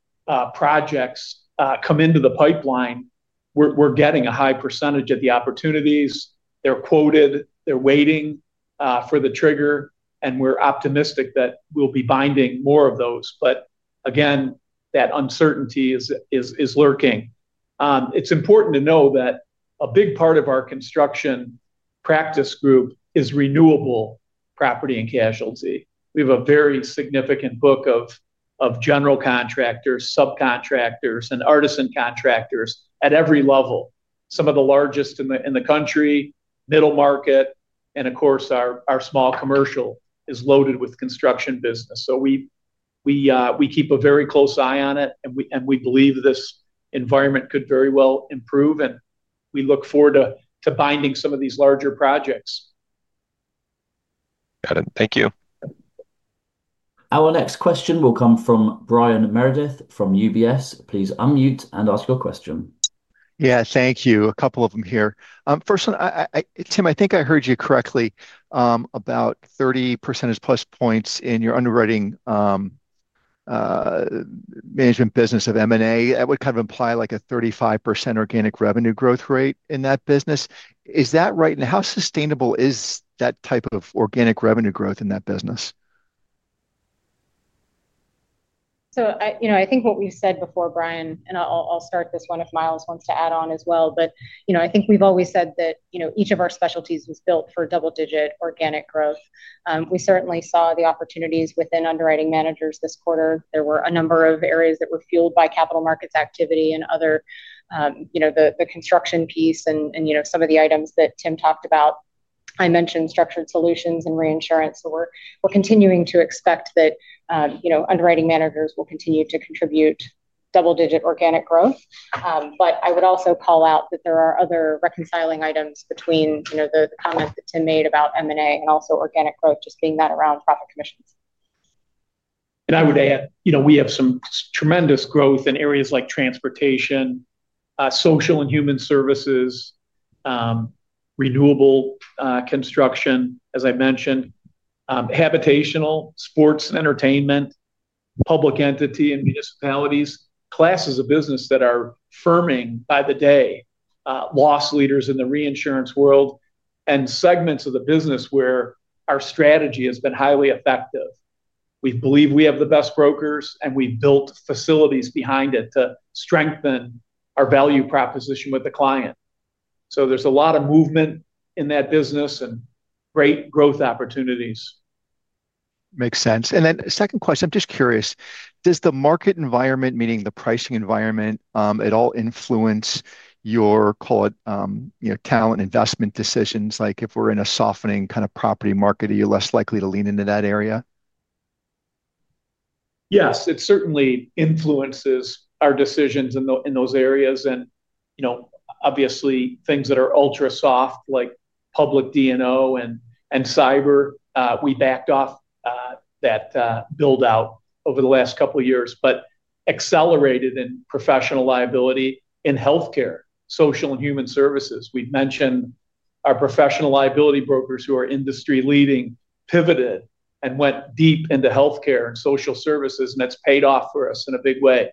projects come into the pipeline, we're getting a high percentage of the opportunities. They're quoted, they're waiting for the trigger, and we're optimistic that we'll be binding more of those. That uncertainty is lurking. It's important to know that a big part of our construction practice group is renewable property and casualty. We have a very significant book of general contractors, subcontractors, and artisan contractors at every level. Some of the largest in the country, middle market, and of course, our small commercial is loaded with construction business. We keep a very close eye on it, and we believe this environment could very well improve. We look forward to binding some of these larger projects. Got it. Thank you. Our next question will come from Brian Meredith from UBS. Please unmute and ask your question. Yeah, thank you. A couple of them here. First one, Tim, I think I heard you correctly about 30%+ points in your underwriting management business of M&A. That would kind of imply a 35% organic revenue growth rate in that business. Is that right? How sustainable is that type of organic revenue growth in that business? I think what we've said before, Brian, and I'll start this one if Miles wants to add on as well. I think we've always said that each of our specialties was built for double-digit organic growth. We certainly saw the opportunities within underwriting managers this quarter. There were a number of areas that were fueled by capital markets activity and other, the construction piece and some of the items that Tim talked about. I mentioned structured solutions and reinsurance. We're continuing to expect that Underwriting Managers will continue to contribute double-digit organic growth. I would also call out that there are other reconciling items between the comment that Tim made about M&A and also organic growth, just being that around profit commissions. I would add we have some tremendous growth in areas like transportation, social and human services, renewable construction, as I mentioned, habitational, sports and entertainment, public entity and municipalities, classes of business that are firming by the day, loss leaders in the reinsurance world, and segments of the business where our strategy has been highly effective. We believe we have the best brokers, and we've built facilities behind it to strengthen our value proposition with the client. There's a lot of movement in that business and great growth opportunities. Makes sense. Second question, I'm just curious, does the market environment, meaning the pricing environment, at all influence your talent investment decisions? Like if we're in a softening kind of property market, are you less likely to lean into that area? Yes, it certainly influences our decisions in those areas. Obviously, things that are ultra-soft, like public D&O and cyber, we backed off that build-out over the last couple of years, but accelerated in professional liability in healthcare, social and human services. We've mentioned our professional liability brokers who are industry-leading, pivoted and went deep into healthcare and social services, and that's paid off for us in a big way.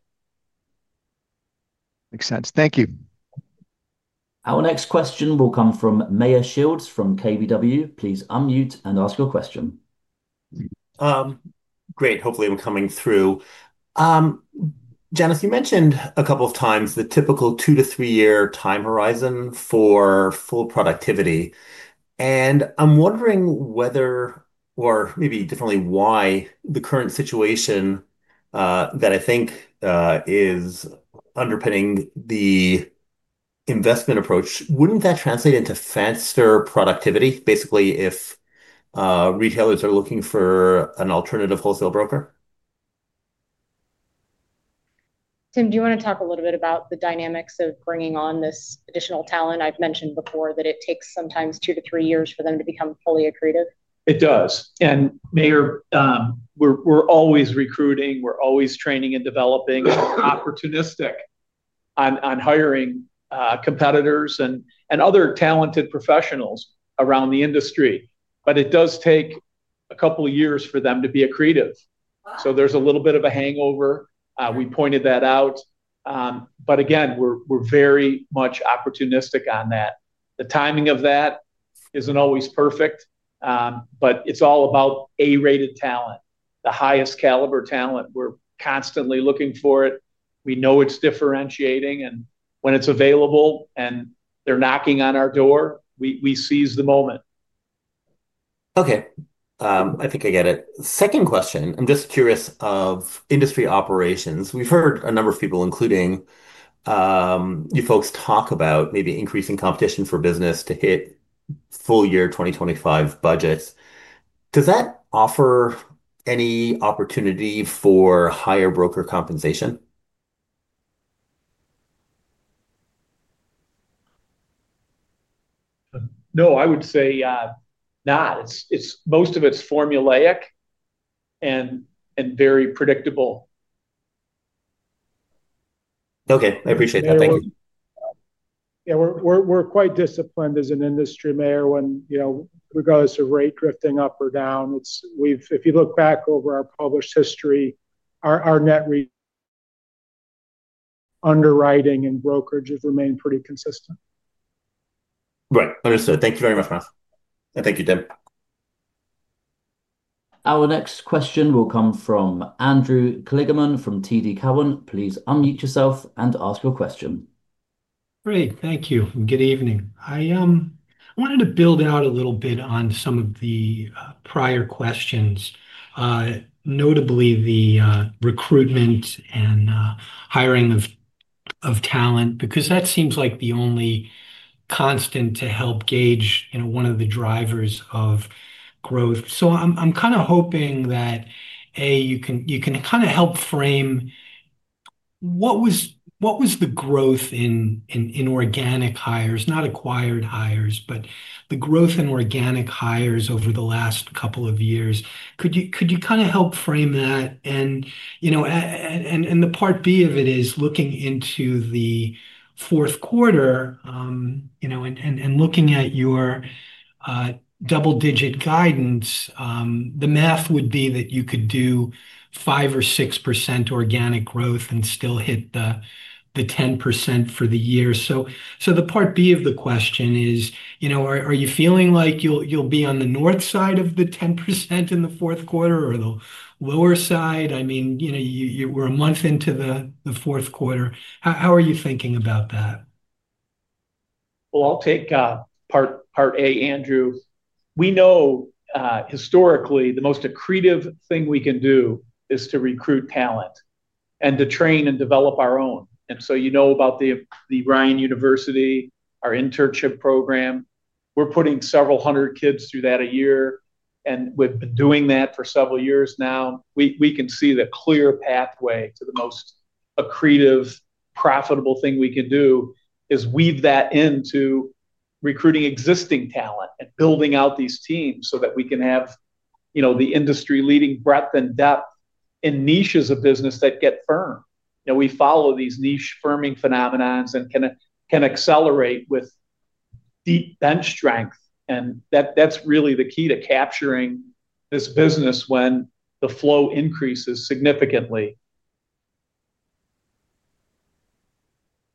Makes sense. Thank you. Our next question will come from Meyer Shields from KBW. Please unmute and ask your question. Great. Hopefully, we're coming through. Janice, you mentioned a couple of times the typical two to three-year time horizon for full productivity. I'm wondering whether, or maybe definitely why, the current situation that I think is underpinning the investment approach, wouldn't that translate into faster productivity, basically, if retailers are looking for an alternative wholesale broker? Tim, do you want to talk a little bit about the dynamics of bringing on this additional talent? I've mentioned before that it takes sometimes two to three years for them to become fully accretive. It does. We're always recruiting. We're always training and developing. We're opportunistic. On hiring competitors and other talented professionals around the industry, it does take a couple of years for them to be accretive. There is a little bit of a hangover. We pointed that out. We are very much opportunistic on that. The timing of that is not always perfect, but it is all about A-rated talent, the highest caliber talent. We are constantly looking for it. We know it is differentiating. When it is available and they are knocking on our door, we seize the moment. Okay, I think I get it. Second question, I am just curious of industry operations. We have heard a number of people, including you folks, talk about maybe increasing competition for business to hit full-year 2025 budgets. Does that offer any opportunity for higher broker compensation? No, I would say not. Most of it is formulaic and very predictable. Okay, I appreciate that. Thank you. We are quite disciplined as an industry, Mayor, regardless of rate drifting up or down. If you look back over our published history, our net re underwriting and brokerage has remained pretty consistent. Right. Understood. Thank you very much, Miles. Thank you, Tim. Our next question will come from Andrew Kligerman from TD Cowan. Please unmute yourself and ask your question. Great, thank you. Good evening. I wanted to build out a little bit on some of the prior questions, notably the recruitment and hiring of talent, because that seems like the only constant to help gauge one of the drivers of growth. I am hoping that, A, you can help frame what was the growth in organic hires, not acquired hires, but the growth in organic hires over the last couple of years. Could you help frame that? The part B of it is looking into the fourth quarter and looking at your double-digit guidance. The math would be that you could do 5% or 6% organic growth and still hit the 10% for the year. The part B of the question is, are you feeling like you will be on the north side of the 10% in the fourth quarter or the lower side? I mean, we are a month into the fourth quarter. How are you thinking about that? I will take part A, Andrew. We know historically the most accretive thing we can do is to recruit talent and to train and develop our own. You know about the Ryan University, our internship program. We are putting several hundred kids through that a year, and we have been doing that for several years now. We can see the clear pathway to the most accretive, profitable thing we can do is weave that into recruiting existing talent and building out these teams so that we can have the industry-leading breadth and depth in niches of business that get firm. We follow these niche firming phenomenons and can accelerate with deep bench strength. That's really the key to capturing this business when the flow increases significantly.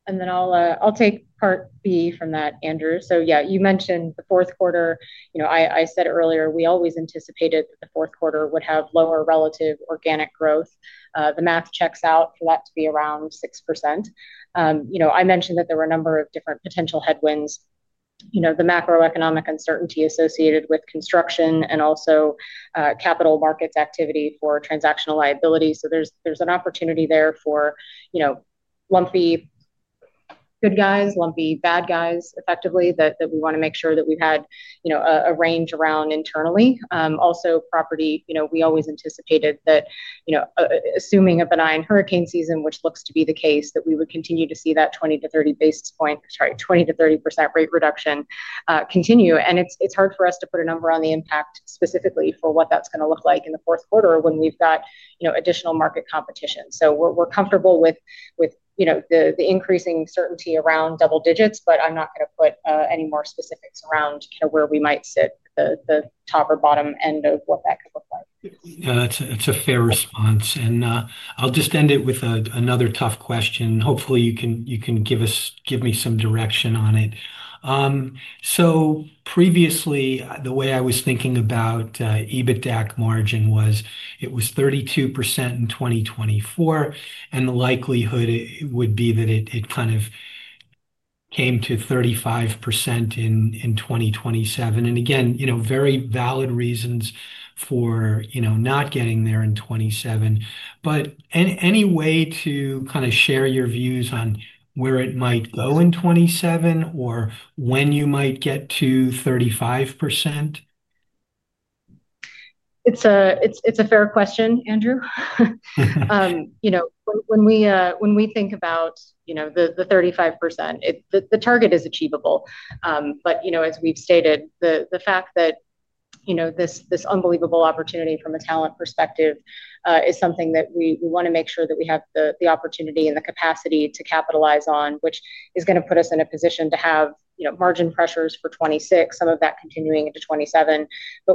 I'll take part B from that, Andrew. You mentioned the fourth quarter. I said earlier, we always anticipated that the fourth quarter would have lower relative organic growth. The math checks out for that to be around 6%. I mentioned that there were a number of different potential headwinds. The macroeconomic uncertainty associated with construction and also capital markets activity for transactional liability. There's an opportunity there for lumpy good guys, lumpy bad guys, effectively, that we want to make sure that we've had a range around internally. Also, property, we always anticipated that, assuming a benign hurricane season, which looks to be the case, we would continue to see that 20%-30% rate reduction continue. It's hard for us to put a number on the impact specifically for what that's going to look like in the fourth quarter when we've got additional market competition. We're comfortable with the increasing certainty around double-digits, but I'm not going to put any more specifics around where we might sit at the top or bottom end of what that could look like. It's a fair response. I'll just end it with another tough question. Hopefully, you can give me some direction on it. Previously, the way I was thinking about EBITDA margin was it was 32% in 2024, and the likelihood would be that it kind of came to 35% in 2027. Again, very valid reasons for not getting there in 2027. Any way to share your views on where it might go in 2027 or when you might get to 35%? It's a fair question, Andrew. When we think about the 35%, the target is achievable. As we've stated, the fact that this unbelievable opportunity from a talent perspective is something that we want to make sure that we have the opportunity and the capacity to capitalize on, which is going to put us in a position to have margin pressures for 2026, some of that continuing into 2027.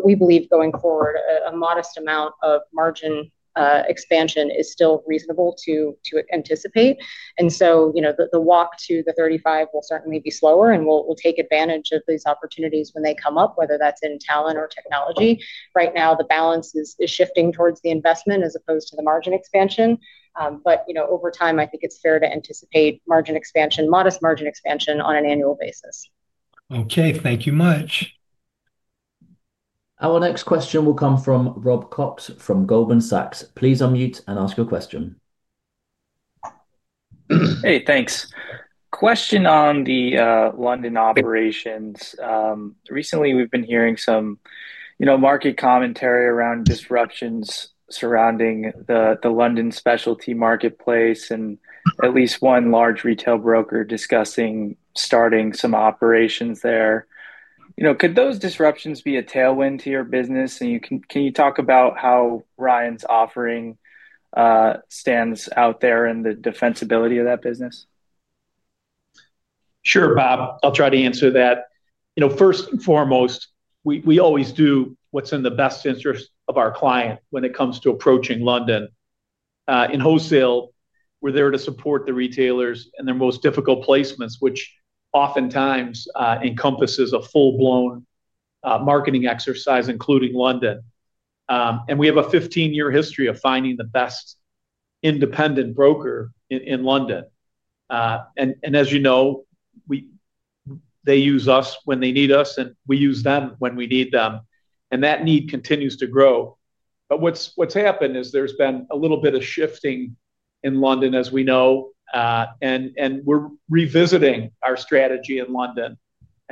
We believe going forward, a modest amount of margin expansion is still reasonable to anticipate. The walk to the 35 will certainly be slower, and we'll take advantage of these opportunities when they come up, whether that's in talent or technology. Right now, the balance is shifting towards the investment as opposed to the margin expansion. Over time, I think it's fair to anticipate modest margin expansion on an annual basis. Thank you much. Our next question will come from Rob Cox from Goldman Sachs. Please unmute and ask your question. Hey, thanks. Question on the London operations. Recently, we've been hearing some market commentary around disruptions surrounding the London specialty marketplace and at least one large retail broker discussing starting some operations there. Could those disruptions be a tailwind to your business? Can you talk about how Ryan's offering stands out there and the defensibility of that business? Sure, Robert. I'll try to answer that. First and foremost, we always do what's in the best interest of our client when it comes to approaching London. In wholesale, we're there to support the retailers in their most difficult placements, which oftentimes encompasses a full-blown marketing exercise, including London. We have a 15-year history of finding the best independent broker in London. As you know, they use us when they need us, and we use them when we need them, and that need continues to grow. What's happened is there's been a little bit of shifting in London, as we know, and we're revisiting our strategy in London.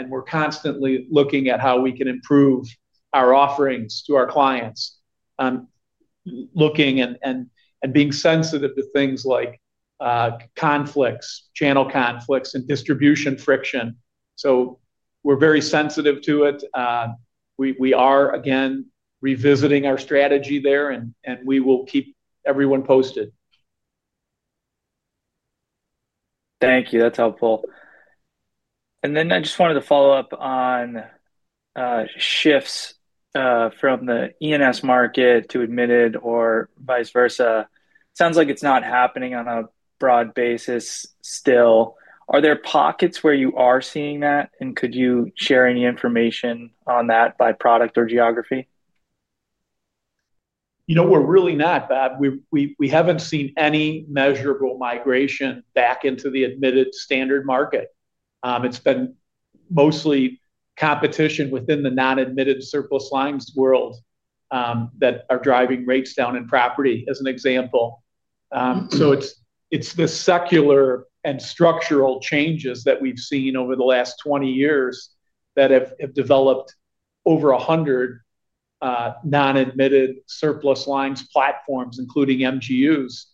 We're constantly looking at how we can improve our offerings to our clients, looking and being sensitive to things like conflicts, channel conflicts, and distribution friction. We're very sensitive to it. We are, again, revisiting our strategy there, and we will keep everyone posted. Thank you. That's helpful. I just wanted to follow up on shifts from the E&S market to admitted or vice versa. Sounds like it's not happening on a broad basis still. Are there pockets where you are seeing that? Could you share any information on that by product or geography? We're really not, Rob. We haven't seen any measurable migration back into the admitted standard market. It's been mostly competition within the non-admitted surplus lines world that are driving rates down in property, as an example. It's the secular and structural changes that we've seen over the last 20 years that have developed over 100 non-admitted surplus lines platforms, including MGUs.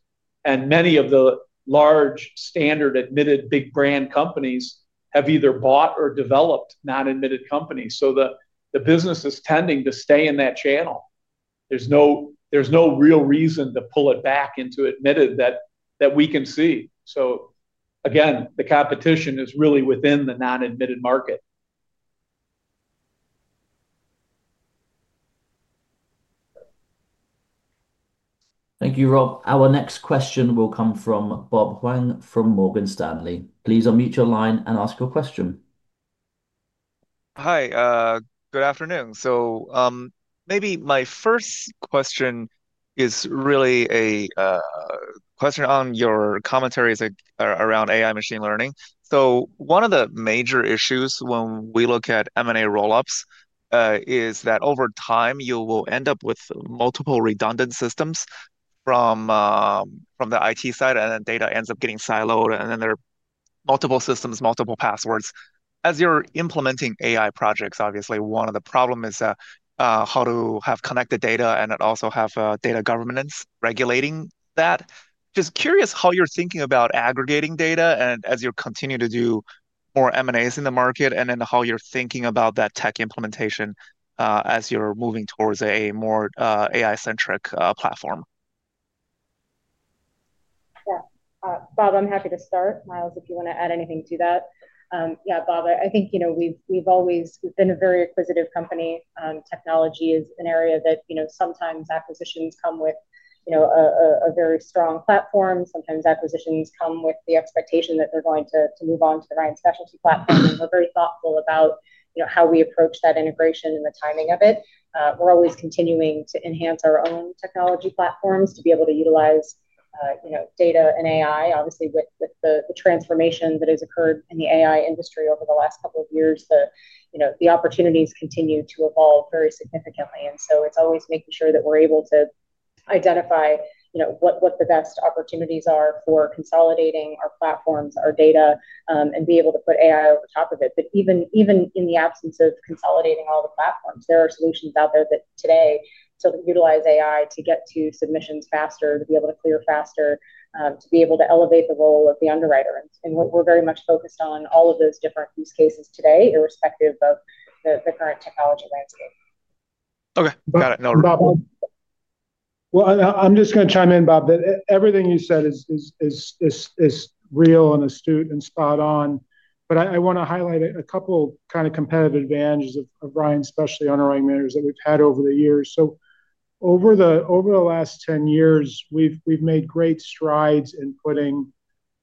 Many of the large standard admitted big brand companies have either bought or developed non-admitted companies. The business is tending to stay in that channel. There's no real reason to pull it back into admitted that we can see. The competition is really within the non-admitted market. Thank you, Rob. Our next question will come from Bob Huang from Morgan Stanley. Please unmute your line and ask your question. Hi. Good afternoon. Maybe my first question is really a question on your commentaries around AI and machine learning. One of the major issues when we look at M&A roll-ups is that over time, you will end up with multiple redundant systems from the IT side, and then data ends up getting siloed, and then there are multiple systems, multiple passwords. As you're implementing AI projects, obviously, one of the problems is how to have connected data and also have data governance regulating that. Just curious how you're thinking about aggregating data as you continue to do more M&As in the market and then how you're thinking about that tech implementation as you're moving towards a more AI-centric platform. Yeah. Bob, I'm happy to start. Miles, if you want to add anything to that. Yeah, Bob, I think we've always been a very acquisitive company. Technology is an area that sometimes acquisitions come with a very strong platform. Sometimes acquisitions come with the expectation that they're going to move on to the Ryan Specialty platform. We're very thoughtful about how we approach that integration and the timing of it. We're always continuing to enhance our own technology platforms to be able to utilize data and AI. Obviously, with the transformation that has occurred in the AI industry over the last couple of years, the opportunities continue to evolve very significantly. It's always making sure that we're able to identify what the best opportunities are for consolidating our platforms, our data, and be able to put AI over top of it. Even in the absence of consolidating all the platforms, there are solutions out there that today still utilize AI to get to submissions faster, to be able to clear faster, to be able to elevate the role of the underwriter. We are very much focused on all of those different use cases today, irrespective of the current technology landscape. Okay. Got it. No problem. I'm just going to chime in, Bob, that everything you said is real and astute and spot on. I want to highlight a couple of kind of competitive advantages of Ryan Specialty, especially on our own matters that we've had over the years. Over the last 10 years, we've made great strides in putting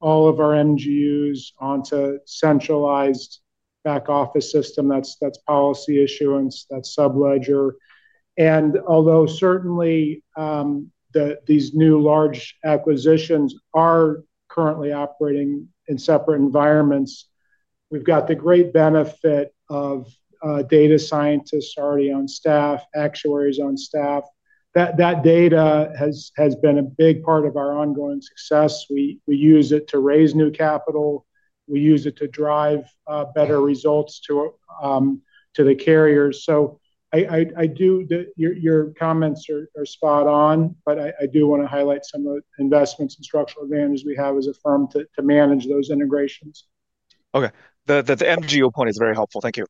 all of our MGUs onto a centralized back-office system. That's policy issuance, that's subledger. Although certainly these new large acquisitions are currently operating in separate environments, we've got the great benefit of data scientists already on staff, actuaries on staff. That data has been a big part of our ongoing success. We use it to raise new capital. We use it to drive better results to the carriers. Your comments are spot on, but I do want to highlight some of the investments and structural advantages we have as a firm to manage those integrations. Okay. That MGU point is very helpful. Thank you.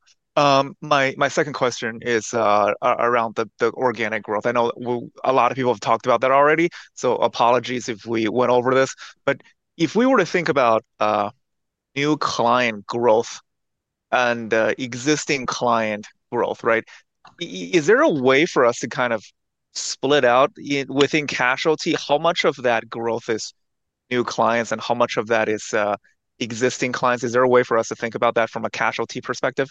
My second question is around the organic growth. I know a lot of people have talked about that already, so apologies if we went over this. If we were to think about new client growth and existing client growth, is there a way for us to kind of split out within casualty how much of that growth is new clients and how much of that is existing clients? Is there a way for us to think about that from a casualty perspective?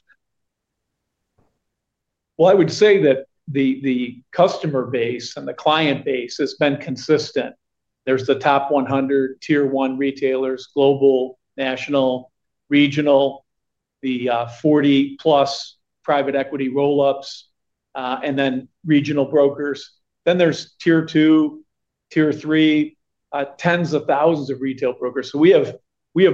I would say that the customer base and the client base has been consistent. There's the top 100 tier one retailers, global, national, regional, the 40+ private equity roll-ups, and then regional brokers. Then there's tier two, tier three, tens of thousands of retail brokers. We have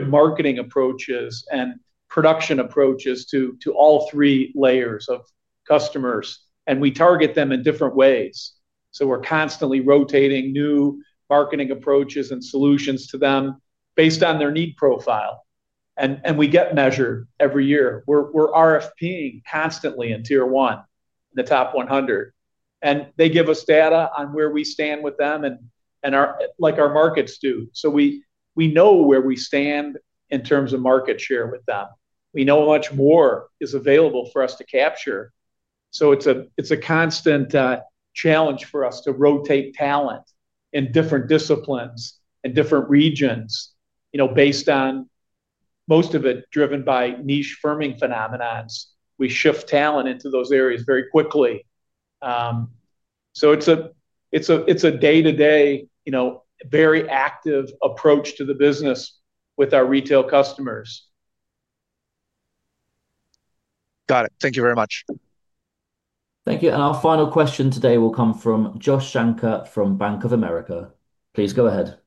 marketing approaches and production approaches to all three layers of customers, and we target them in different ways. We are constantly rotating new marketing approaches and solutions to them based on their need profile. We get measured every year. We are RFPing constantly in tier one in the top 100, and they give us data on where we stand with them, like our markets do. We know where we stand in terms of market share with them. We know how much more is available for us to capture. It's a constant challenge for us to rotate talent in different disciplines and different regions, most of it driven by niche firming phenomenons. We shift talent into those areas very quickly. It's a day-to-day, very active approach to the business with our retail customers. Got it. Thank you very much. Thank you. Our final question today will come from Josh Shanker from Bank of America. Please go ahead.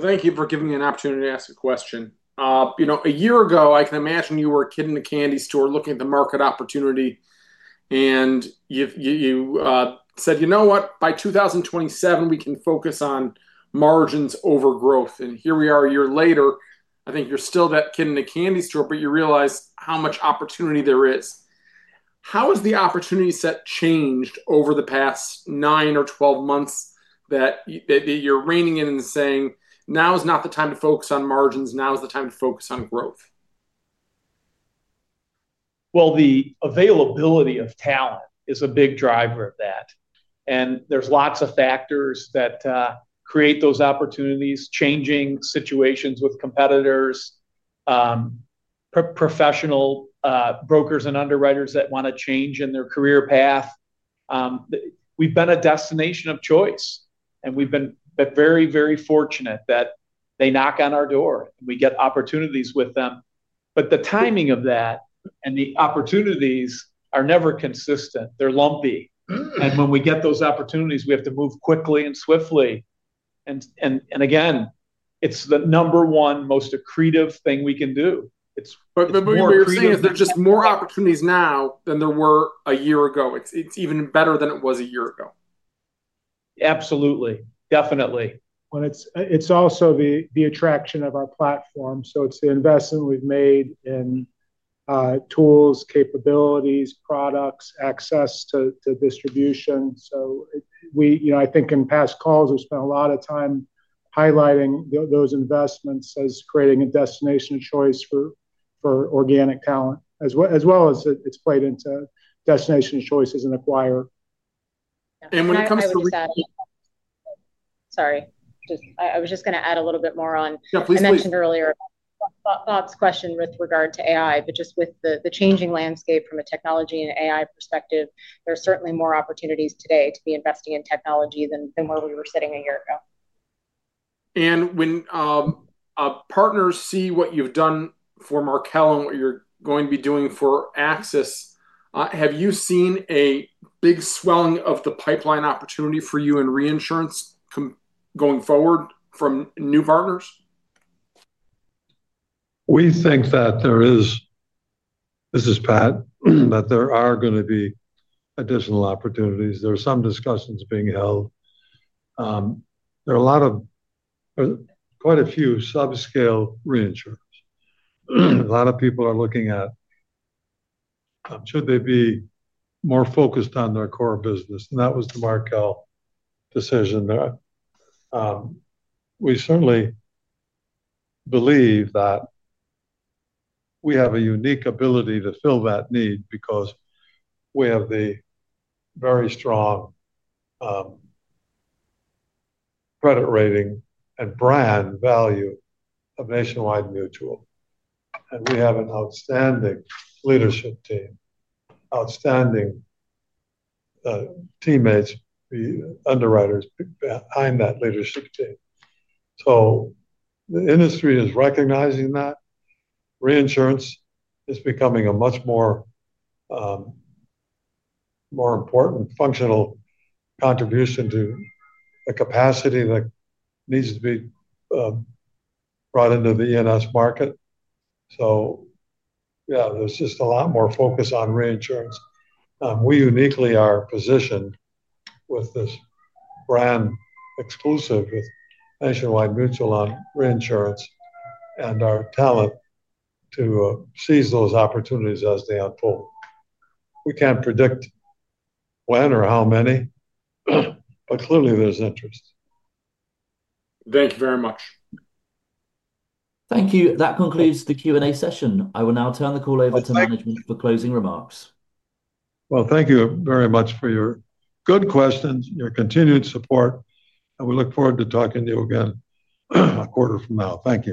Thank you for giving me an opportunity to ask a question. A year ago, I can imagine you were a kid in a candy store looking at the market opportunity. You said, "You know what? By 2027, we can focus on margins over growth." Here we are a year later. I think you're still that kid in a candy store, but you realize how much opportunity there is. How has the opportunity set changed over the past nine or 12 months that you're reining in and saying, "Now is not the time to focus on margins. Now is the time to focus on growth"? The availability of talent is a big driver of that. There are lots of factors that create those opportunities, changing situations with competitors. Professional brokers and underwriters that want to change in their career path, we've been a destination of choice, and we've been very, very fortunate that they knock on our door and we get opportunities with them. The timing of that and the opportunities are never consistent. They're lumpy. When we get those opportunities, we have to move quickly and swiftly. Again, it's the number one most accretive thing we can do. It's more accretive. What we're seeing is there's just more opportunities now than there were a year ago. It's even better than it was a year ago. Absolutely. Definitely. It's also the attraction of our platform. It's the investment we've made in tools, capabilities, products, access to distribution. I think in past calls, we spent a lot of time highlighting those investments as creating a destination of choice for organic talent as well as it's played into destination of choices in acquire. When it comes to. Yeah, sorry, I was just going to add a little bit more on. Yeah, please go ahead. I mentioned earlier a question with regard to AI, but just with the changing landscape from a technology and AI perspective, there are certainly more opportunities today to be investing in technology than where we were sitting a year ago. When partners see what you've done for Markel and what you're going to be doing for Axis, have you seen a big swelling of the pipeline opportunity for you in reinsurance coming forward from new partners? We think that there is—this is Pat—that there are going to be additional opportunities. There are some discussions being held. There are a lot of—there's quite a few subscale reinsurers. A lot of people are looking at should they be more focused on their core business? That was the Markel decision there. We certainly believe that we have a unique ability to fill that need because we have the very strong credit rating and brand value of Nationwide Mutual. We have an outstanding leadership team, outstanding teammates, the underwriters behind that leadership team. The industry is recognizing that reinsurance is becoming a much more important functional contribution to the capacity that needs to be brought into the E&S market. There is just a lot more focus on reinsurance. We uniquely are positioned with this brand exclusive with Nationwide Mutual on reinsurance and our talent to seize those opportunities as they unfold. We can't predict when or how many, but clearly there's interest. Thank you very much. Thank you. That concludes the Q&A session. I will now turn the call over to management for closing remarks. Thank you very much for your good questions, your continued support, and we look forward to talking to you again a quarter from now. Thank you.